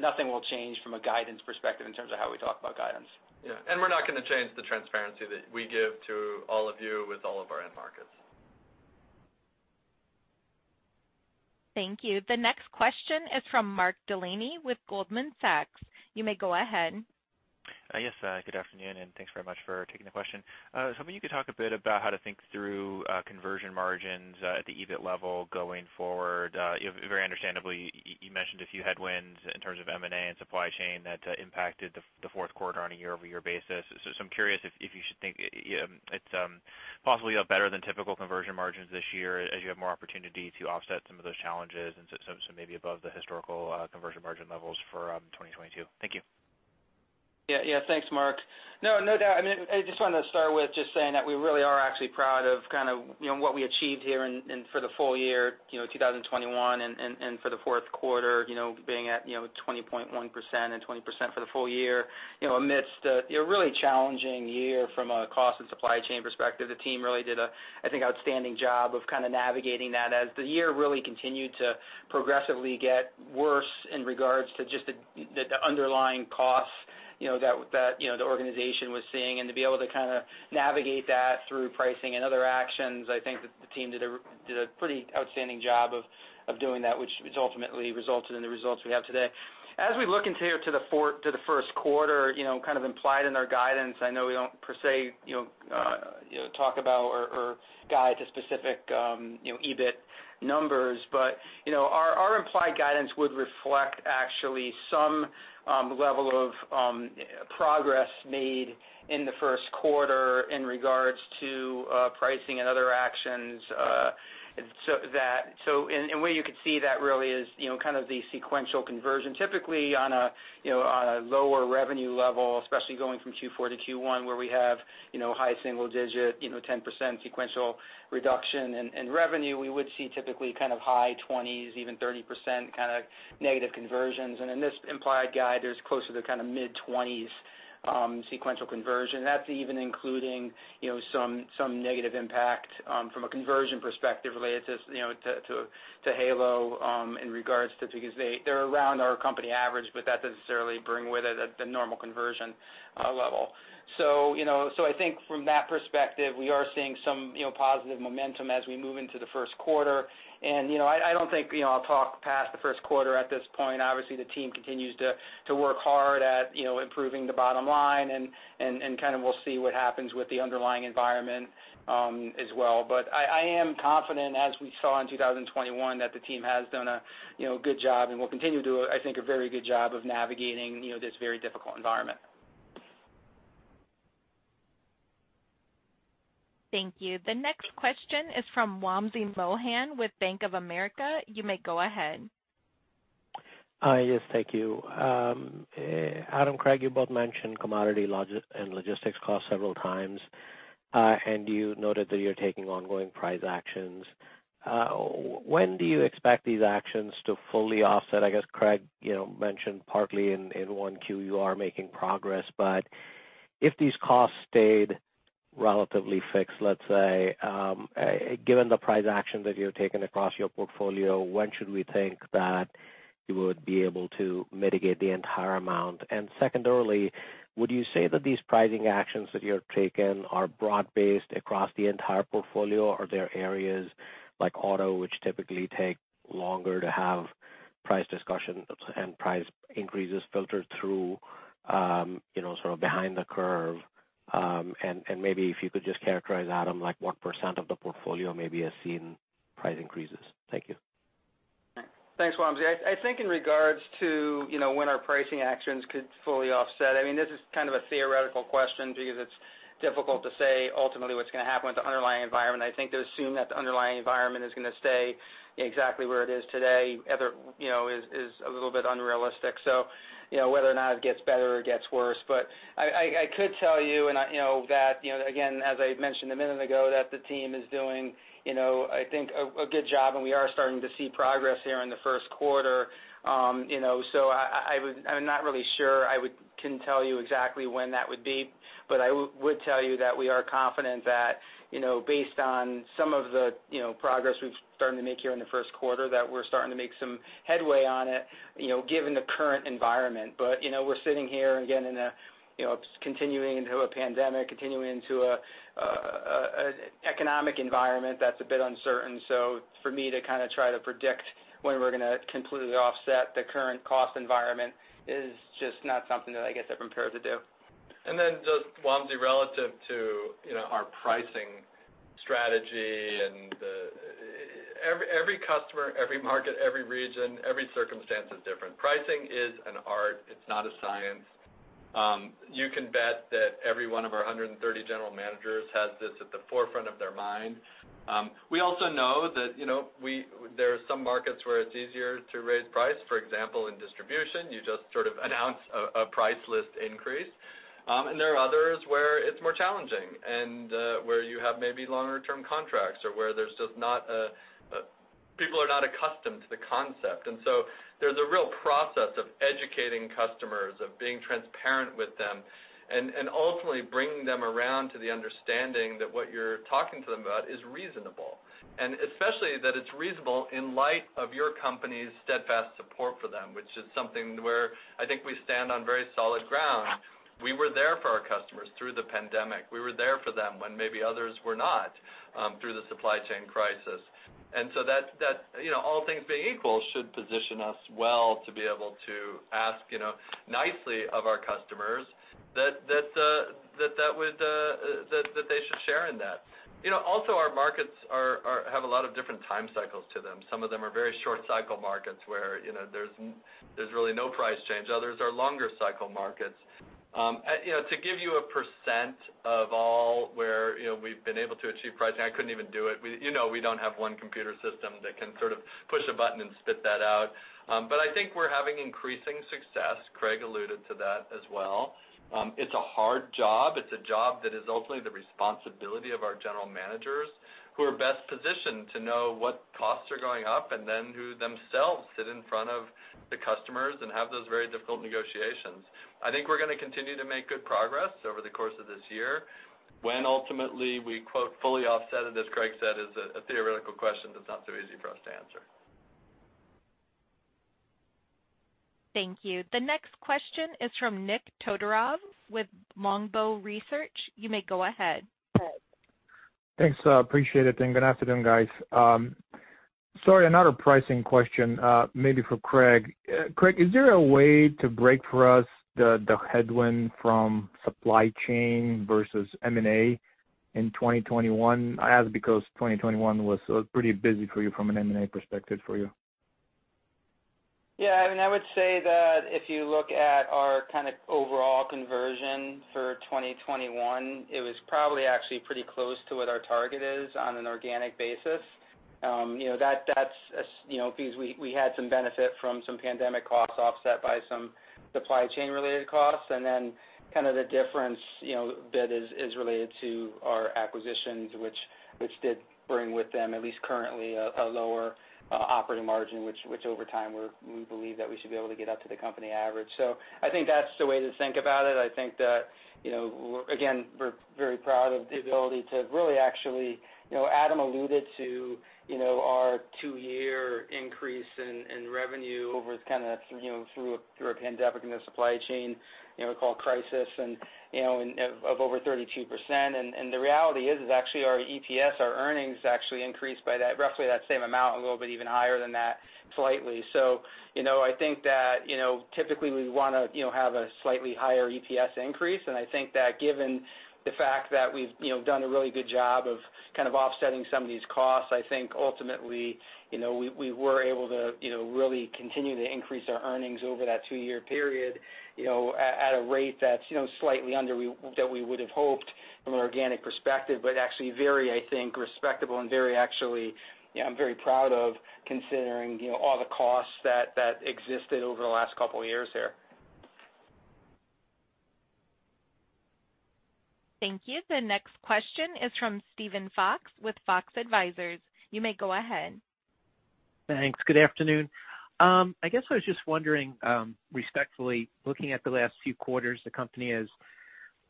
Nothing will change from a guidance perspective in terms of how we talk about guidance. Yeah. We're not gonna change the transparency that we give to all of you with all of our end markets. Thank you. The next question is from Mark Delaney with Goldman Sachs. You may go ahead. Yes, good afternoon, and thanks very much for taking the question. I was hoping you could talk a bit about how to think through conversion margins at the EBIT level going forward. You know, very understandably, you mentioned a few headwinds in terms of M&A and supply chain that impacted the fourth quarter on a year-over-year basis. I'm curious if we should think it's possibly a better than typical conversion margins this year as you have more opportunity to offset some of those challenges and so maybe above the historical conversion margin levels for 2022. Thank you. Yeah. Thanks, Mark. No doubt. I mean, I just wanted to start with just saying that we really are actually proud of kind of, you know, what we achieved here in for the full year, you know, 2021 and for the fourth quarter, you know, being at, you know, 20.1% and 20% for the full year, you know, amidst a really challenging year from a cost and supply chain perspective. The team really did a, I think, outstanding job of kind of navigating that as the year really continued to progressively get worse in regards to just the underlying costs, you know, that, you know, the organization was seeing. To be able to kinda navigate that through pricing and other actions, I think that the team did a pretty outstanding job of doing that, which was ultimately resulted in the results we have today. As we look into the first quarter, you know, kind of implied in our guidance, I know we don't per se, you know, talk about or guide to specific EBIT numbers, but, you know, our implied guidance would reflect actually some level of progress made in the first quarter in regards to pricing and other actions, and where you could see that really is, you know, kind of the sequential conversion. Typically, on a lower revenue level, especially going from Q4 to Q1, where we have high single digit 10% sequential reduction in revenue, we would see typically kind of high 20s, even 30% kind of negative conversions. In this implied guide, there's closer to kind of mid-20s sequential conversion. That's even including some negative impact from a conversion perspective related to Halo in regards to, because they are around our company average, but that doesn't necessarily bring with it the normal conversion level. I think from that perspective, we are seeing some positive momentum as we move into the first quarter. I don't think I'll talk past the first quarter at this point. Obviously, the team continues to work hard at, you know, improving the bottom line and kind of we'll see what happens with the underlying environment, as well. But I am confident, as we saw in 2021, that the team has done a, you know, good job and will continue to do, I think, a very good job of navigating, you know, this very difficult environment. Thank you. The next question is from Wamsi Mohan with Bank of America. You may go ahead. Hi. Yes, thank you. Adam, Craig, you both mentioned commodity and logistics costs several times, and you noted that you're taking ongoing price actions. When do you expect these actions to fully offset? I guess Craig, you know, mentioned partly in 1Q you are making progress, but if these costs stayed relatively fixed, let's say, given the price action that you've taken across your portfolio, when should we think that you would be able to mitigate the entire amount? Secondarily, would you say that these pricing actions that you have taken are broad-based across the entire portfolio, or are there areas like auto, which typically take longer to have price discussions and price increases filtered through, you know, sort of behind the curve? Maybe if you could just characterize, Adam, like what percent of the portfolio maybe has seen price increases. Thank you. Thanks, Wamsi. I think in regards to, you know, when our pricing actions could fully offset, I mean, this is kind of a theoretical question because it's difficult to say ultimately what's gonna happen with the underlying environment. I think to assume that the underlying environment is gonna stay exactly where it is today, ever, you know, is a little bit unrealistic. You know, whether or not it gets better or gets worse. I could tell you, and I, you know, that, you know, again, as I mentioned a minute ago, that the team is doing, you know, I think a good job, and we are starting to see progress here in the first quarter. You know, I'm not really sure I can tell you exactly when that would be, but I would tell you that we are confident that, you know, based on some of the, you know, progress we've started to make here in the first quarter, that we're starting to make some headway on it, you know, given the current environment. You know, we're sitting here again in a, you know, continuing into a pandemic, continuing into an economic environment that's a bit uncertain. For me to kinda try to predict when we're gonna completely offset the current cost environment is just not something that I guess I'm prepared to do. Just Wamsi, relative to, you know, our pricing strategy and the- Every customer, every market, every region, every circumstance is different. Pricing is an art, it's not a science. You can bet that every one of our 130 general managers has this at the forefront of their mind. We also know that, you know, there are some markets where it's easier to raise price. For example, in distribution, you just sort of announce a price list increase. And there are others where it's more challenging and, where you have maybe longer-term contracts or people are not accustomed to the concept. There's a real process of educating customers, of being transparent with them and ultimately bringing them around to the understanding that what you're talking to them about is reasonable. Especially that it's reasonable in light of your company's steadfast support for them, which is something where I think we stand on very solid ground. We were there for our customers through the pandemic. We were there for them when maybe others were not, through the supply chain crisis. That you know all things being equal should position us well to be able to ask, you know, nicely of our customers that they should share in that. You know, also our markets have a lot of different time cycles to them. Some of them are very short cycle markets, where, you know, there's really no price change. Others are longer cycle markets. You know, to give you a percentage overall where, you know, we've been able to achieve pricing, I couldn't even do it. You know, we don't have one computer system that can sort of push a button and spit that out. I think we're having increasing success. Craig alluded to that as well. It's a hard job. It's a job that is ultimately the responsibility of our general managers who are best positioned to know what costs are going up and then who themselves sit in front of the customers and have those very difficult negotiations. I think we're gonna continue to make good progress over the course of this year. When ultimately we quote "fully offset" it, as Craig said, is a theoretical question that's not so easy for us to answer. Thank you. The next question is from Nik Todorov with Longbow Research. You may go ahead. Thanks. Appreciate it. Good afternoon, guys. Sorry, another pricing question, maybe for Craig. Craig, is there a way to break for us the headwind from supply chain versus M&A in 2021? I ask because 2021 was pretty busy for you from an M&A perspective for you. Yeah, I mean, I would say that if you look at our kind of overall conversion for 2021, it was probably actually pretty close to what our target is on an organic basis. You know, that's you know, because we had some benefit from some pandemic costs offset by some supply chain related costs. Kind of the difference, you know, that is related to our acquisitions, which did bring with them, at least currently, a lower operating margin, which over time we believe that we should be able to get up to the company average. I think that's the way to think about it. I think that, you know, again, we're very proud of the ability to really actually. You know, Adam alluded to, you know, our 2-year increase in revenue over kind of, you know, through a pandemic and a supply chain, you know, we call crisis and, you know, and of over 32%. The reality is actually our EPS, our earnings actually increased by that, roughly that same amount, a little bit even higher than that, slightly. You know, I think that, you know, typically we wanna, you know, have a slightly higher EPS increase. I think that given the fact that we've, you know, done a really good job of kind of offsetting some of these costs, I think ultimately, you know, we were able to, you know, really continue to increase our earnings over that 2-year period, you know, at a rate that's, you know, slightly under that we would've hoped from an organic perspective, but actually very, I think, respectable and very actually, you know, I'm very proud of considering, you know, all the costs that existed over the last couple years here. Thank you. The next question is from Steven Fox with Fox Advisors. You may go ahead. Thanks. Good afternoon. I guess I was just wondering, respectfully, looking at the last few quarters, the company has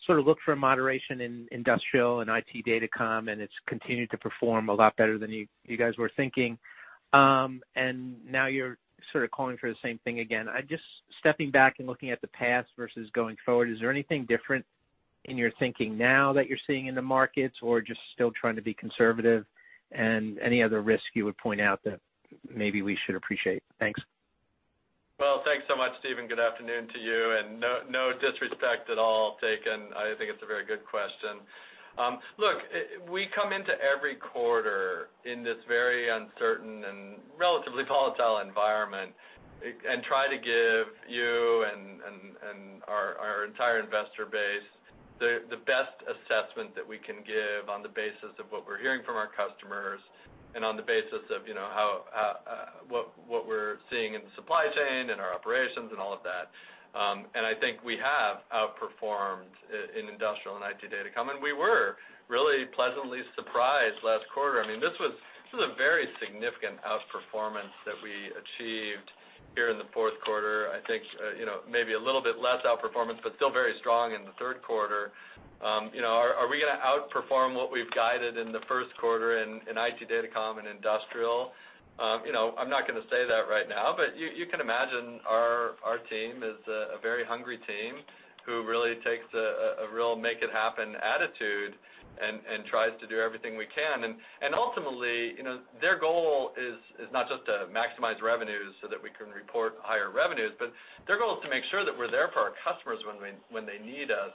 sort of looked for moderation in industrial and IT datacom, and it's continued to perform a lot better than you guys were thinking. Now you're sort of calling for the same thing again. Stepping back and looking at the past versus going forward, is there anything different in your thinking now that you're seeing in the markets or just still trying to be conservative? Any other risk you would point out that maybe we should appreciate? Thanks. Well, thanks so much, Steven. Good afternoon to you, and no disrespect at all taken. I think it's a very good question. Look, we come into every quarter in this very uncertain and relatively volatile environment and try to give you and our entire investor base the best assessment that we can give on the basis of what we're hearing from our customers and on the basis of, you know, how what we're seeing in the supply chain, in our operations, and all of that. I think we have outperformed in industrial and IT datacom, and we were really pleasantly surprised last quarter. I mean, this was a very significant outperformance that we achieved here in the fourth quarter. I think, you know, maybe a little bit less outperformance, but still very strong in the third quarter. You know, are we gonna outperform what we've guided in the first quarter in IT datacom and industrial? You know, I'm not gonna say that right now, but you can imagine our team is a very hungry team who really takes a real make it happen attitude and tries to do everything we can. Ultimately, you know, their goal is not just to maximize revenues so that we can report higher revenues, but their goal is to make sure that we're there for our customers when they need us.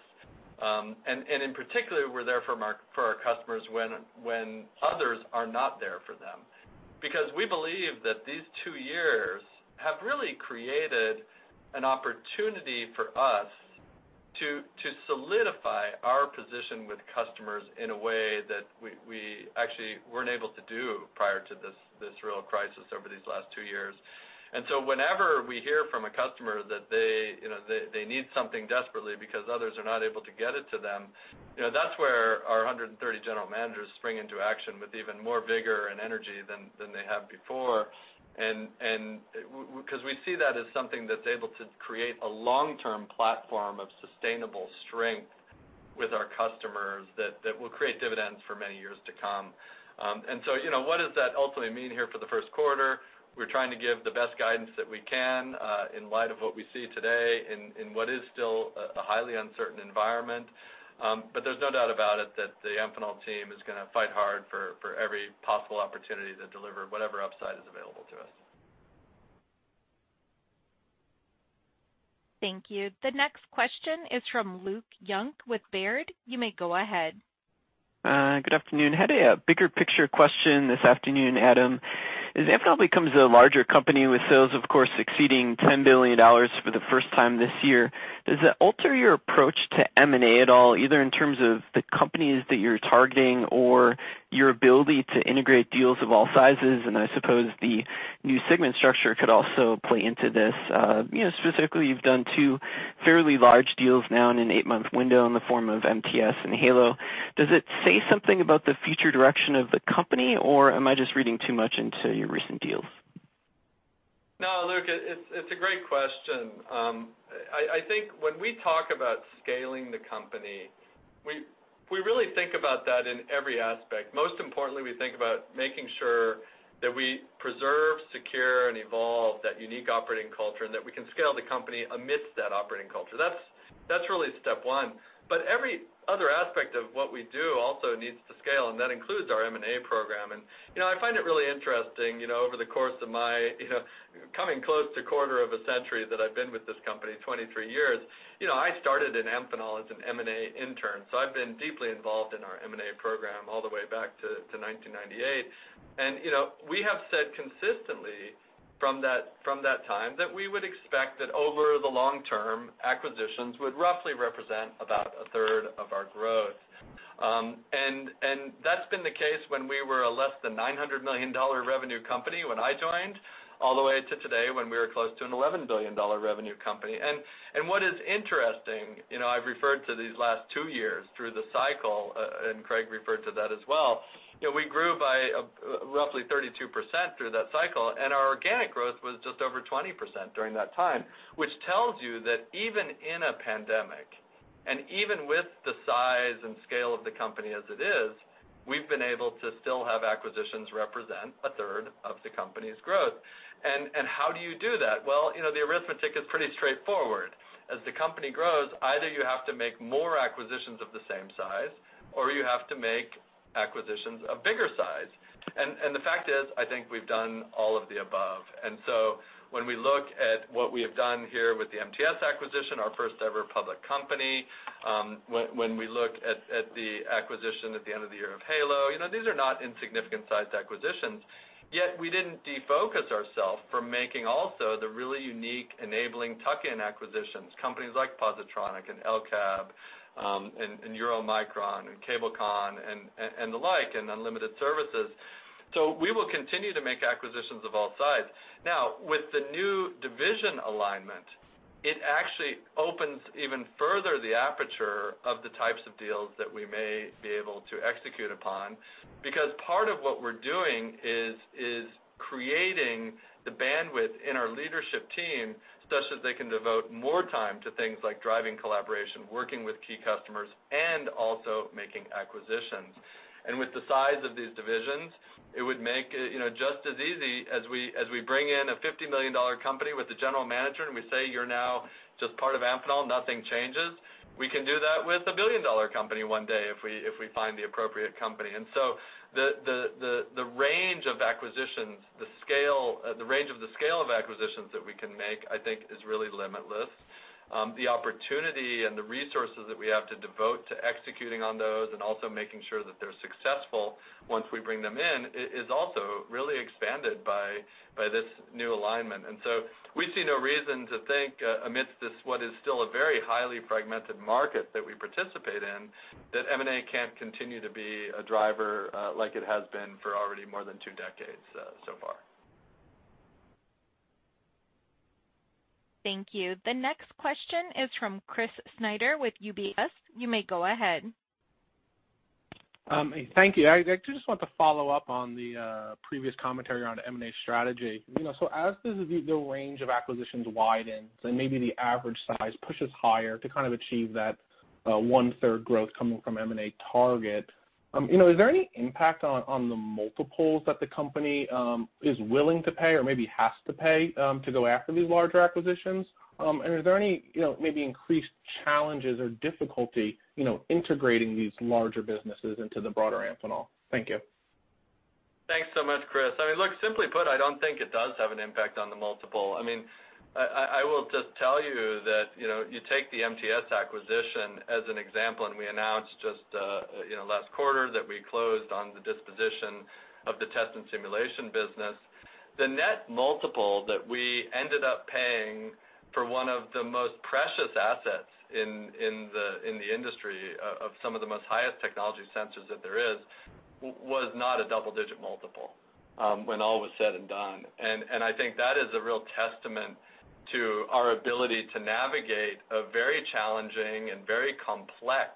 In particular, we're there for our customers when others are not there for them. Because we believe that these 2 years have really created an opportunity for us to solidify our position with customers in a way that we actually weren't able to do prior to this real crisis over these last 2 years. Whenever we hear from a customer that they, you know, they need something desperately because others are not able to get it to them, you know, that's where our 130 general managers spring into action with even more vigor and energy than they have before. Because we see that as something that's able to create a long-term platform of sustainable strength with our customers that will create dividends for many years to come. You know, what does that ultimately mean here for the first quarter? We're trying to give the best guidance that we can, in light of what we see today in what is still a highly uncertain environment. There's no doubt about it that the Amphenol team is gonna fight hard for every possible opportunity to deliver whatever upside is available to us. Thank you. The next question is from Luke Junk with Baird. You may go ahead. Good afternoon. Had a bigger picture question this afternoon, Adam. As Amphenol becomes a larger company with sales, of course, exceeding $10 billion for the first time this year, does that alter your approach to M&A at all, either in terms of the companies that you're targeting or your ability to integrate deals of all sizes? I suppose the new segment structure could also play into this. You know, specifically, you've done two fairly large deals now in an 8-month window in the form of MTS and Halo. Does it say something about the future direction of the company, or am I just reading too much into your recent deals? No, Luke, it's a great question. I think when we talk about scaling the company, we really think about that in every aspect. Most importantly, we think about making sure that we preserve, secure, and evolve that unique operating culture and that we can scale the company amidst that operating culture. That's really step one. Every other aspect of what we do also needs to scale, and that includes our M&A program. You know, I find it really interesting, you know, over the course of my, you know, coming close to quarter of a century that I've been with this company, 23 years, you know, I started in Amphenol as an M&A intern, so I've been deeply involved in our M&A program all the way back to 1998. You know, we have said consistently from that time that we would expect that over the long term, acquisitions would roughly represent about a third of our growth. That's been the case when we were a less than $900 million revenue company when I joined, all the way to today when we were close to an $11 billion revenue company. What is interesting, you know, I've referred to these last 2 years through the cycle, and Craig referred to that as well, you know, we grew by roughly 32% through that cycle, and our organic growth was just over 20% during that time, which tells you that even in a pandemic, and even with the size and scale of the company as it is, we've been able to still have acquisitions represent a third of the company's growth. How do you do that? Well, you know, the arithmetic is pretty straightforward. As the company grows, either you have to make more acquisitions of the same size, or you have to make acquisitions of bigger size. The fact is, I think we've done all of the above. When we look at what we have done here with the MTS acquisition, our first-ever public company, when we look at the acquisition at the end of the year of Halo, you know, these are not insignificant-sized acquisitions, yet we didn't defocus ourselves from making also the really unique enabling tuck-in acquisitions, companies like Positronic and El-Cab, and Euromicron and Cabelcon and the like, and Unlimited Services. We will continue to make acquisitions of all sizes. Now, with the new division alignment, it actually opens even further the aperture of the types of deals that we may be able to execute upon. Because part of what we're doing is creating the bandwidth in our leadership team such that they can devote more time to things like driving collaboration, working with key customers, and also making acquisitions. With the size of these divisions, it would make, you know, just as easy as we bring in a $50 million company with the general manager, and we say, "You're now just part of Amphenol, nothing changes," we can do that with a $1 billion company one day if we find the appropriate company. The range of acquisitions, the scale, the range of the scale of acquisitions that we can make, I think, is really limitless. The opportunity and the resources that we have to devote to executing on those and also making sure that they're successful once we bring them in is also really expanded by this new alignment. We see no reason to think, amidst this what is still a very highly fragmented market that we participate in, that M&A can't continue to be a driver, like it has been for already more than 2 decades, so far. Thank you. The next question is from Chris Snyder with UBS. You may go ahead. Thank you. I just want to follow up on the previous commentary on M&A strategy. You know, as the range of acquisitions widen, maybe the average size pushes higher to kind of achieve that 1/3 growth coming from M&A target, you know, is there any impact on the multiples that the company is willing to pay or maybe has to pay to go after these larger acquisitions? Is there any you know, maybe increased challenges or difficulty you know, integrating these larger businesses into the broader Amphenol? Thank you. Thanks so much, Chris. I mean, look, simply put, I don't think it does have an impact on the multiple. I mean, I will just tell you that, you know, you take the MTS acquisition as an example, and we announced just last quarter that we closed on the disposition of the Test & Simulation business. The net multiple that we ended up paying for one of the most precious assets in the industry of some of the most highest technology sensors that there is was not a double-digit multiple, when all was said and done. I think that is a real testament to our ability to navigate a very challenging and very complex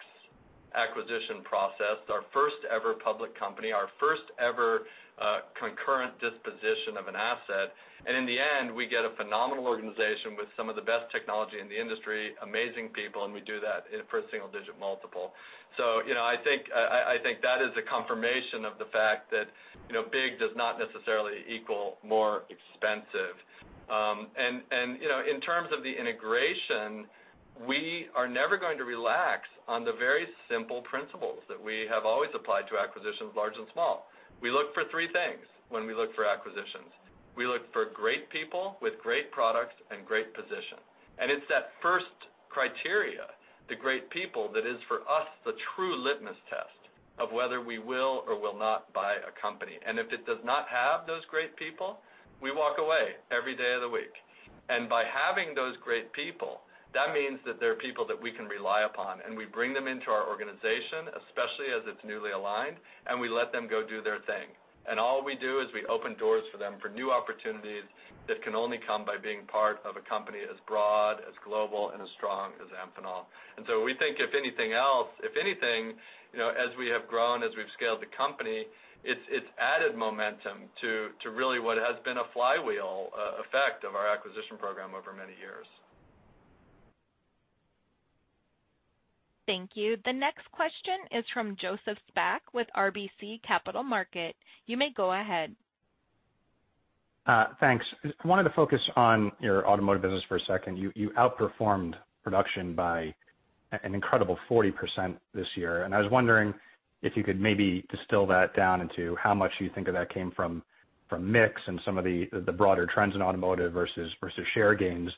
acquisition process, our first-ever public company, our first-ever concurrent disposition of an asset. In the end, we get a phenomenal organization with some of the best technology in the industry, amazing people, and we do that for a single-digit multiple. You know, I think that is a confirmation of the fact that, you know, big does not necessarily equal more expensive. You know, in terms of the integration, we are never going to relax on the very simple principles that we have always applied to acquisitions large and small. We look for three things when we look for acquisitions. We look for great people with great products and great position. It's that first criteria, the great people, that is for us, the true litmus test of whether we will or will not buy a company. If it does not have those great people, we walk away every day of the week. By having those great people, that means that they're people that we can rely upon, and we bring them into our organization, especially as it's newly aligned, and we let them go do their thing. All we do is we open doors for them for new opportunities that can only come by being part of a company as broad, as global, and as strong as Amphenol. We think if anything else, if anything, you know, as we have grown, as we've scaled the company, it's added momentum to really what has been a flywheel effect of our acquisition program over many years. Thank you. The next question is from Joseph Spak with RBC Capital Markets. You may go ahead. Thanks. I wanted to focus on your automotive business for a second. You outperformed production by an incredible 40% this year. I was wondering if you could maybe distill that down into how much you think of that came from mix and some of the broader trends in automotive versus share gains,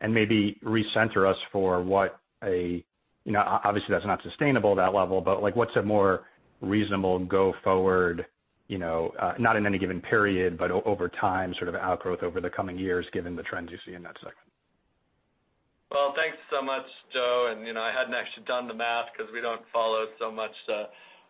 and maybe recenter us for what, you know, obviously that's not sustainable at that level, but like what's a more reasonable go forward, you know, not in any given period, but over time sort of outgrowth over the coming years, given the trends you see in that segment? Well, thanks so much, Joe. You know, I hadn't actually done the math 'cause we don't follow so much,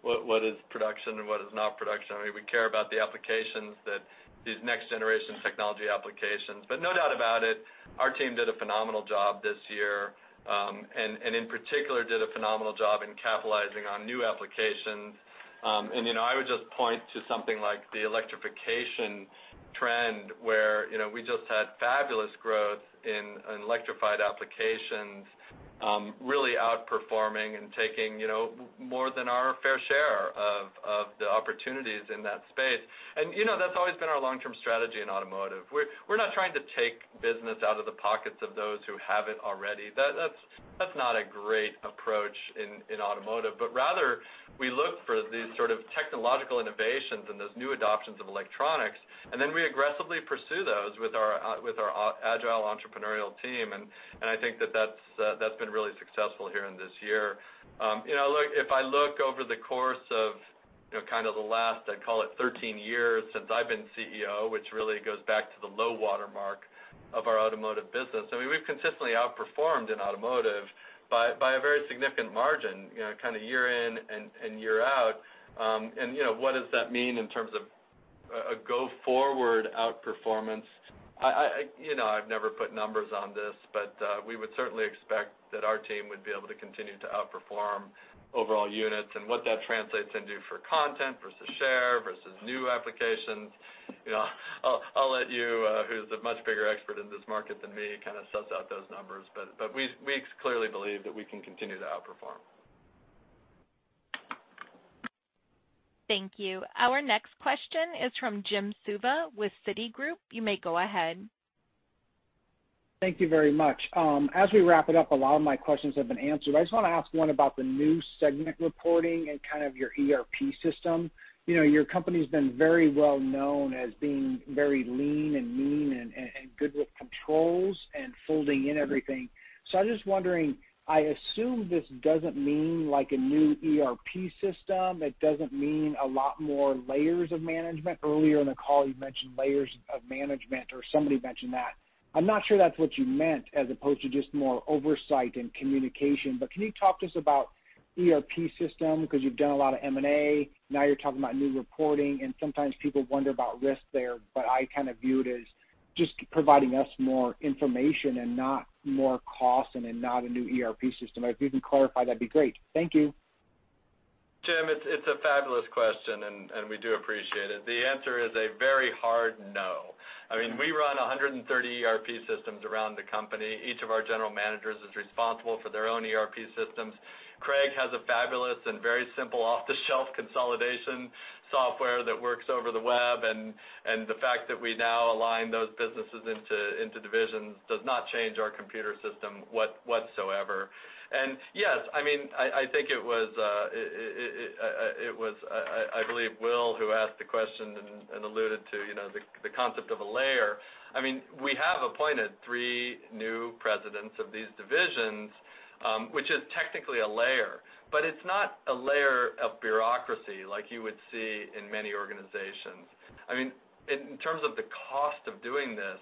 what is production and what is not production. I mean, we care about the applications that these next-generation technology applications. No doubt about it, our team did a phenomenal job this year, and in particular, did a phenomenal job in capitalizing on new applications. You know, I would just point to something like the electrification trend, where, you know, we just had fabulous growth in electrified applications, really outperforming and taking, you know, more than our fair share of the opportunities in that space. You know, that's always been our long-term strategy in automotive. We're not trying to take business out of the pockets of those who have it already. That's not a great approach in automotive. Rather, we look for these sort of technological innovations and those new adoptions of electronics, and then we aggressively pursue those with our agile entrepreneurial team. I think that's been really successful here in this year. You know, look, if I look over the course of, you know, kind of the last, I'd call it 13 years since I've been CEO, which really goes back to the low water mark of our automotive business, I mean, we've consistently outperformed in automotive by a very significant margin, you know, kind of year in and year out. You know, what does that mean in terms of a go forward outperformance? I, you know, I've never put numbers on this, but we would certainly expect that our team would be able to continue to outperform overall units and what that translates into for content versus share versus new applications, you know, I'll let you, who's a much bigger expert in this market than me, kind of suss out those numbers. We clearly believe that we can continue to outperform. Thank you. Our next question is from Jim Suva with Citigroup. You may go ahead. Thank you very much. As we wrap it up, a lot of my questions have been answered. I just wanna ask one about the new segment reporting and kind of your ERP system. You know, your company's been very well known as being very lean and mean and good with controls and folding in everything. So I'm just wondering, I assume this doesn't mean like a new ERP system. It doesn't mean a lot more layers of management. Earlier in the call, you mentioned layers of management, or somebody mentioned that. I'm not sure that's what you meant, as opposed to just more oversight and communication. But can you talk to us about ERP system? 'Cause you've done a lot of M&A, now you're talking about new reporting, and sometimes people wonder about risk there, but I kind of view it as just providing us more information and not more cost and then not a new ERP system. If you can clarify, that'd be great. Thank you. Jim, it's a fabulous question, and we do appreciate it. The answer is a very hard no. I mean, we run 130 ERP systems around the company. Each of our general managers is responsible for their own ERP systems. Craig has a fabulous and very simple off-the-shelf consolidation software that works over the web, and the fact that we now align those businesses into divisions does not change our computer system whatsoever. Yes, I mean, I think it was, I believe Will who asked the question and alluded to, you know, the concept of a layer. I mean, we have appointed three new presidents of these divisions, which is technically a layer, but it's not a layer of bureaucracy like you would see in many organizations. I mean, in terms of the cost of doing this,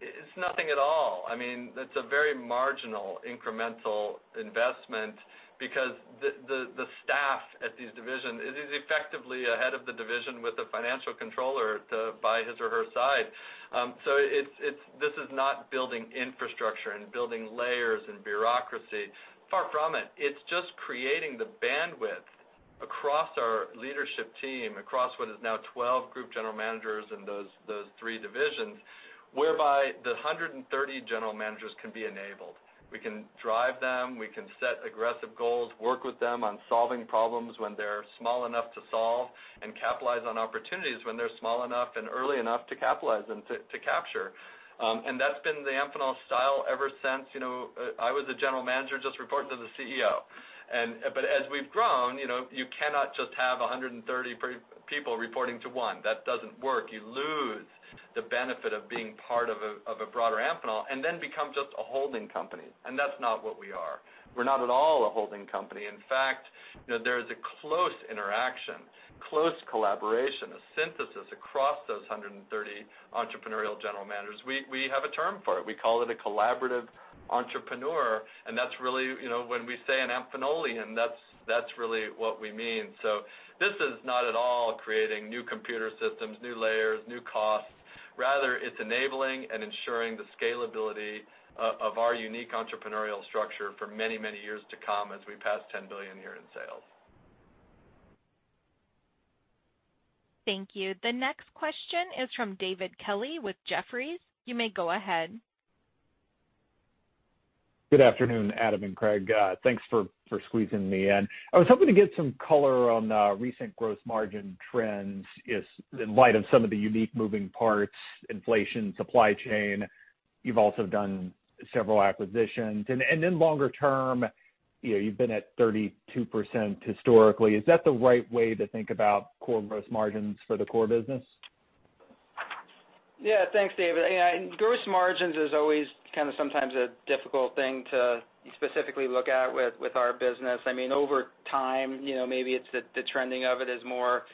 it's nothing at all. I mean, that's a very marginal incremental investment because the staff at these divisions is effectively a head of the division with a financial controller by his or her side. It's not building infrastructure and building layers and bureaucracy. Far from it. It's just creating the bandwidth across our leadership team, across what is now 12 group general managers in those three divisions, whereby the 130 general managers can be enabled. We can drive them, we can set aggressive goals, work with them on solving problems when they're small enough to solve, and capitalize on opportunities when they're small enough and early enough to capitalize and to capture. That's been the Amphenol style ever since. You know, I was a general manager, just reporting to the CEO. As we've grown, you know, you cannot just have 130 people reporting to one. That doesn't work. You lose the benefit of being part of a broader Amphenol, and then become just a holding company, and that's not what we are. We're not at all a holding company. In fact, you know, there is a close interaction, close collaboration, a synthesis across those 130 entrepreneurial general managers. We have a term for it. We call it a collaborative entrepreneur, and that's really, you know, when we say an Amphenolian, that's really what we mean. This is not at all creating new computer systems, new layers, new costs. Rather, it's enabling and ensuring the scalability of our unique entrepreneurial structure for many, many years to come as we pass $10 billion a year in sales. Thank you. The next question is from David Kelley with Jefferies. You may go ahead. Good afternoon, Adam and Craig. Thanks for squeezing me in. I was hoping to get some color on recent gross margin trends in light of some of the unique moving parts, inflation, supply chain. You've also done several acquisitions. Longer term, you know, you've been at 32% historically. Is that the right way to think about core gross margins for the core business? Yeah. Thanks, David. Yeah, gross margins is always kind of sometimes a difficult thing to specifically look at with our business. I mean, over time, you know, maybe it's the trending of it is more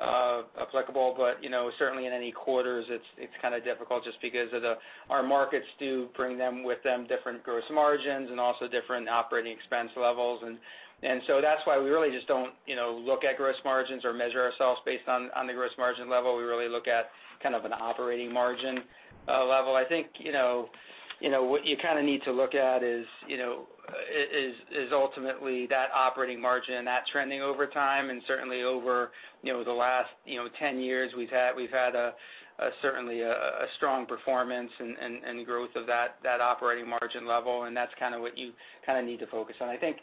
applicable. You know, certainly in any quarters, it's kinda difficult just because of our markets do bring with them different gross margins and also different operating expense levels. So that's why we really just don't, you know, look at gross margins or measure ourselves based on the gross margin level. We really look at kind of an operating margin level. I think, you know, what you kinda need to look at is, you know, is ultimately that operating margin and that trending over time. Certainly over, you know, the last, you know, 10 years, we've had a certainly strong performance and growth of that operating margin level, and that's kinda what you kinda need to focus on. I think,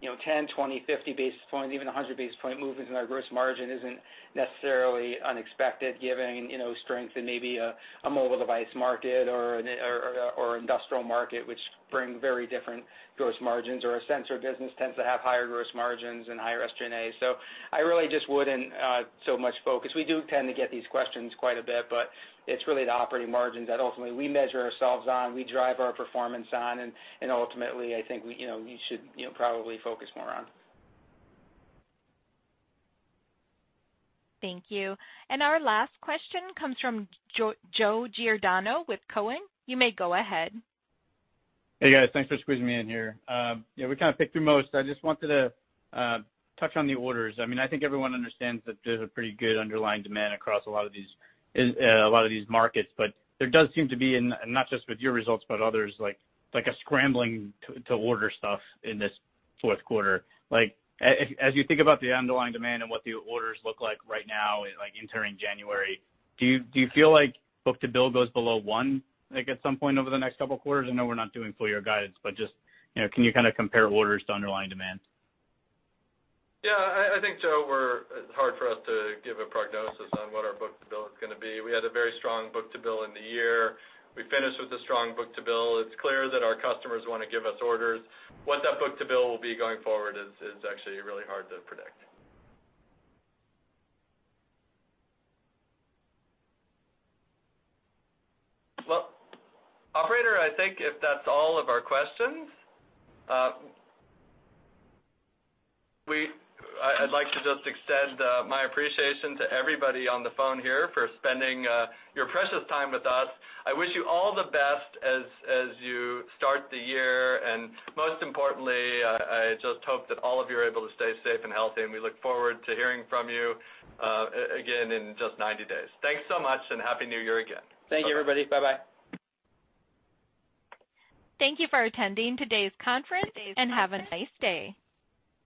you know, 10, 20, 50 basis points, even 100 basis point movements in our gross margin isn't necessarily unexpected given, you know, strength in maybe a mobile device market or industrial market, which bring very different gross margins, or our sensor business tends to have higher gross margins and higher SG&A. I really just wouldn't so much focus. We do tend to get these questions quite a bit, but it's really the operating margins that ultimately we measure ourselves on, we drive our performance on, and ultimately, I think we, you know, you should, you know, probably focus more on. Thank you. Our last question comes from Joe Giordano with Cowen. You may go ahead. Hey, guys. Thanks for squeezing me in here. Yeah, we kind of picked through most. I just wanted to touch on the orders. I mean, I think everyone understands that there's a pretty good underlying demand across a lot of these markets. But there does seem to be, and not just with your results, but others, like a scrambling to order stuff in this fourth quarter. Like, as you think about the underlying demand and what the orders look like right now, like entering January, do you feel like book-to-bill goes below 1, like at some point over the next couple quarters? I know we're not doing full year guidance, but just, you know, can you kind of compare orders to underlying demand? I think, Joe, it's hard for us to give a prognosis on what our book-to-bill is gonna be. We had a very strong book-to-bill in the year. We finished with a strong book-to-bill. It's clear that our customers wanna give us orders. What that book-to-bill will be going forward is actually really hard to predict. Well, operator, I think if that's all of our questions, I'd like to just extend my appreciation to everybody on the phone here for spending your precious time with us. I wish you all the best as you start the year, and most importantly, I just hope that all of you are able to stay safe and healthy, and we look forward to hearing from you again in just 90 days. Thanks so much, and Happy New Year again. Thank you, everybody. Bye-bye. Thank you for attending today's conference, and have a nice day.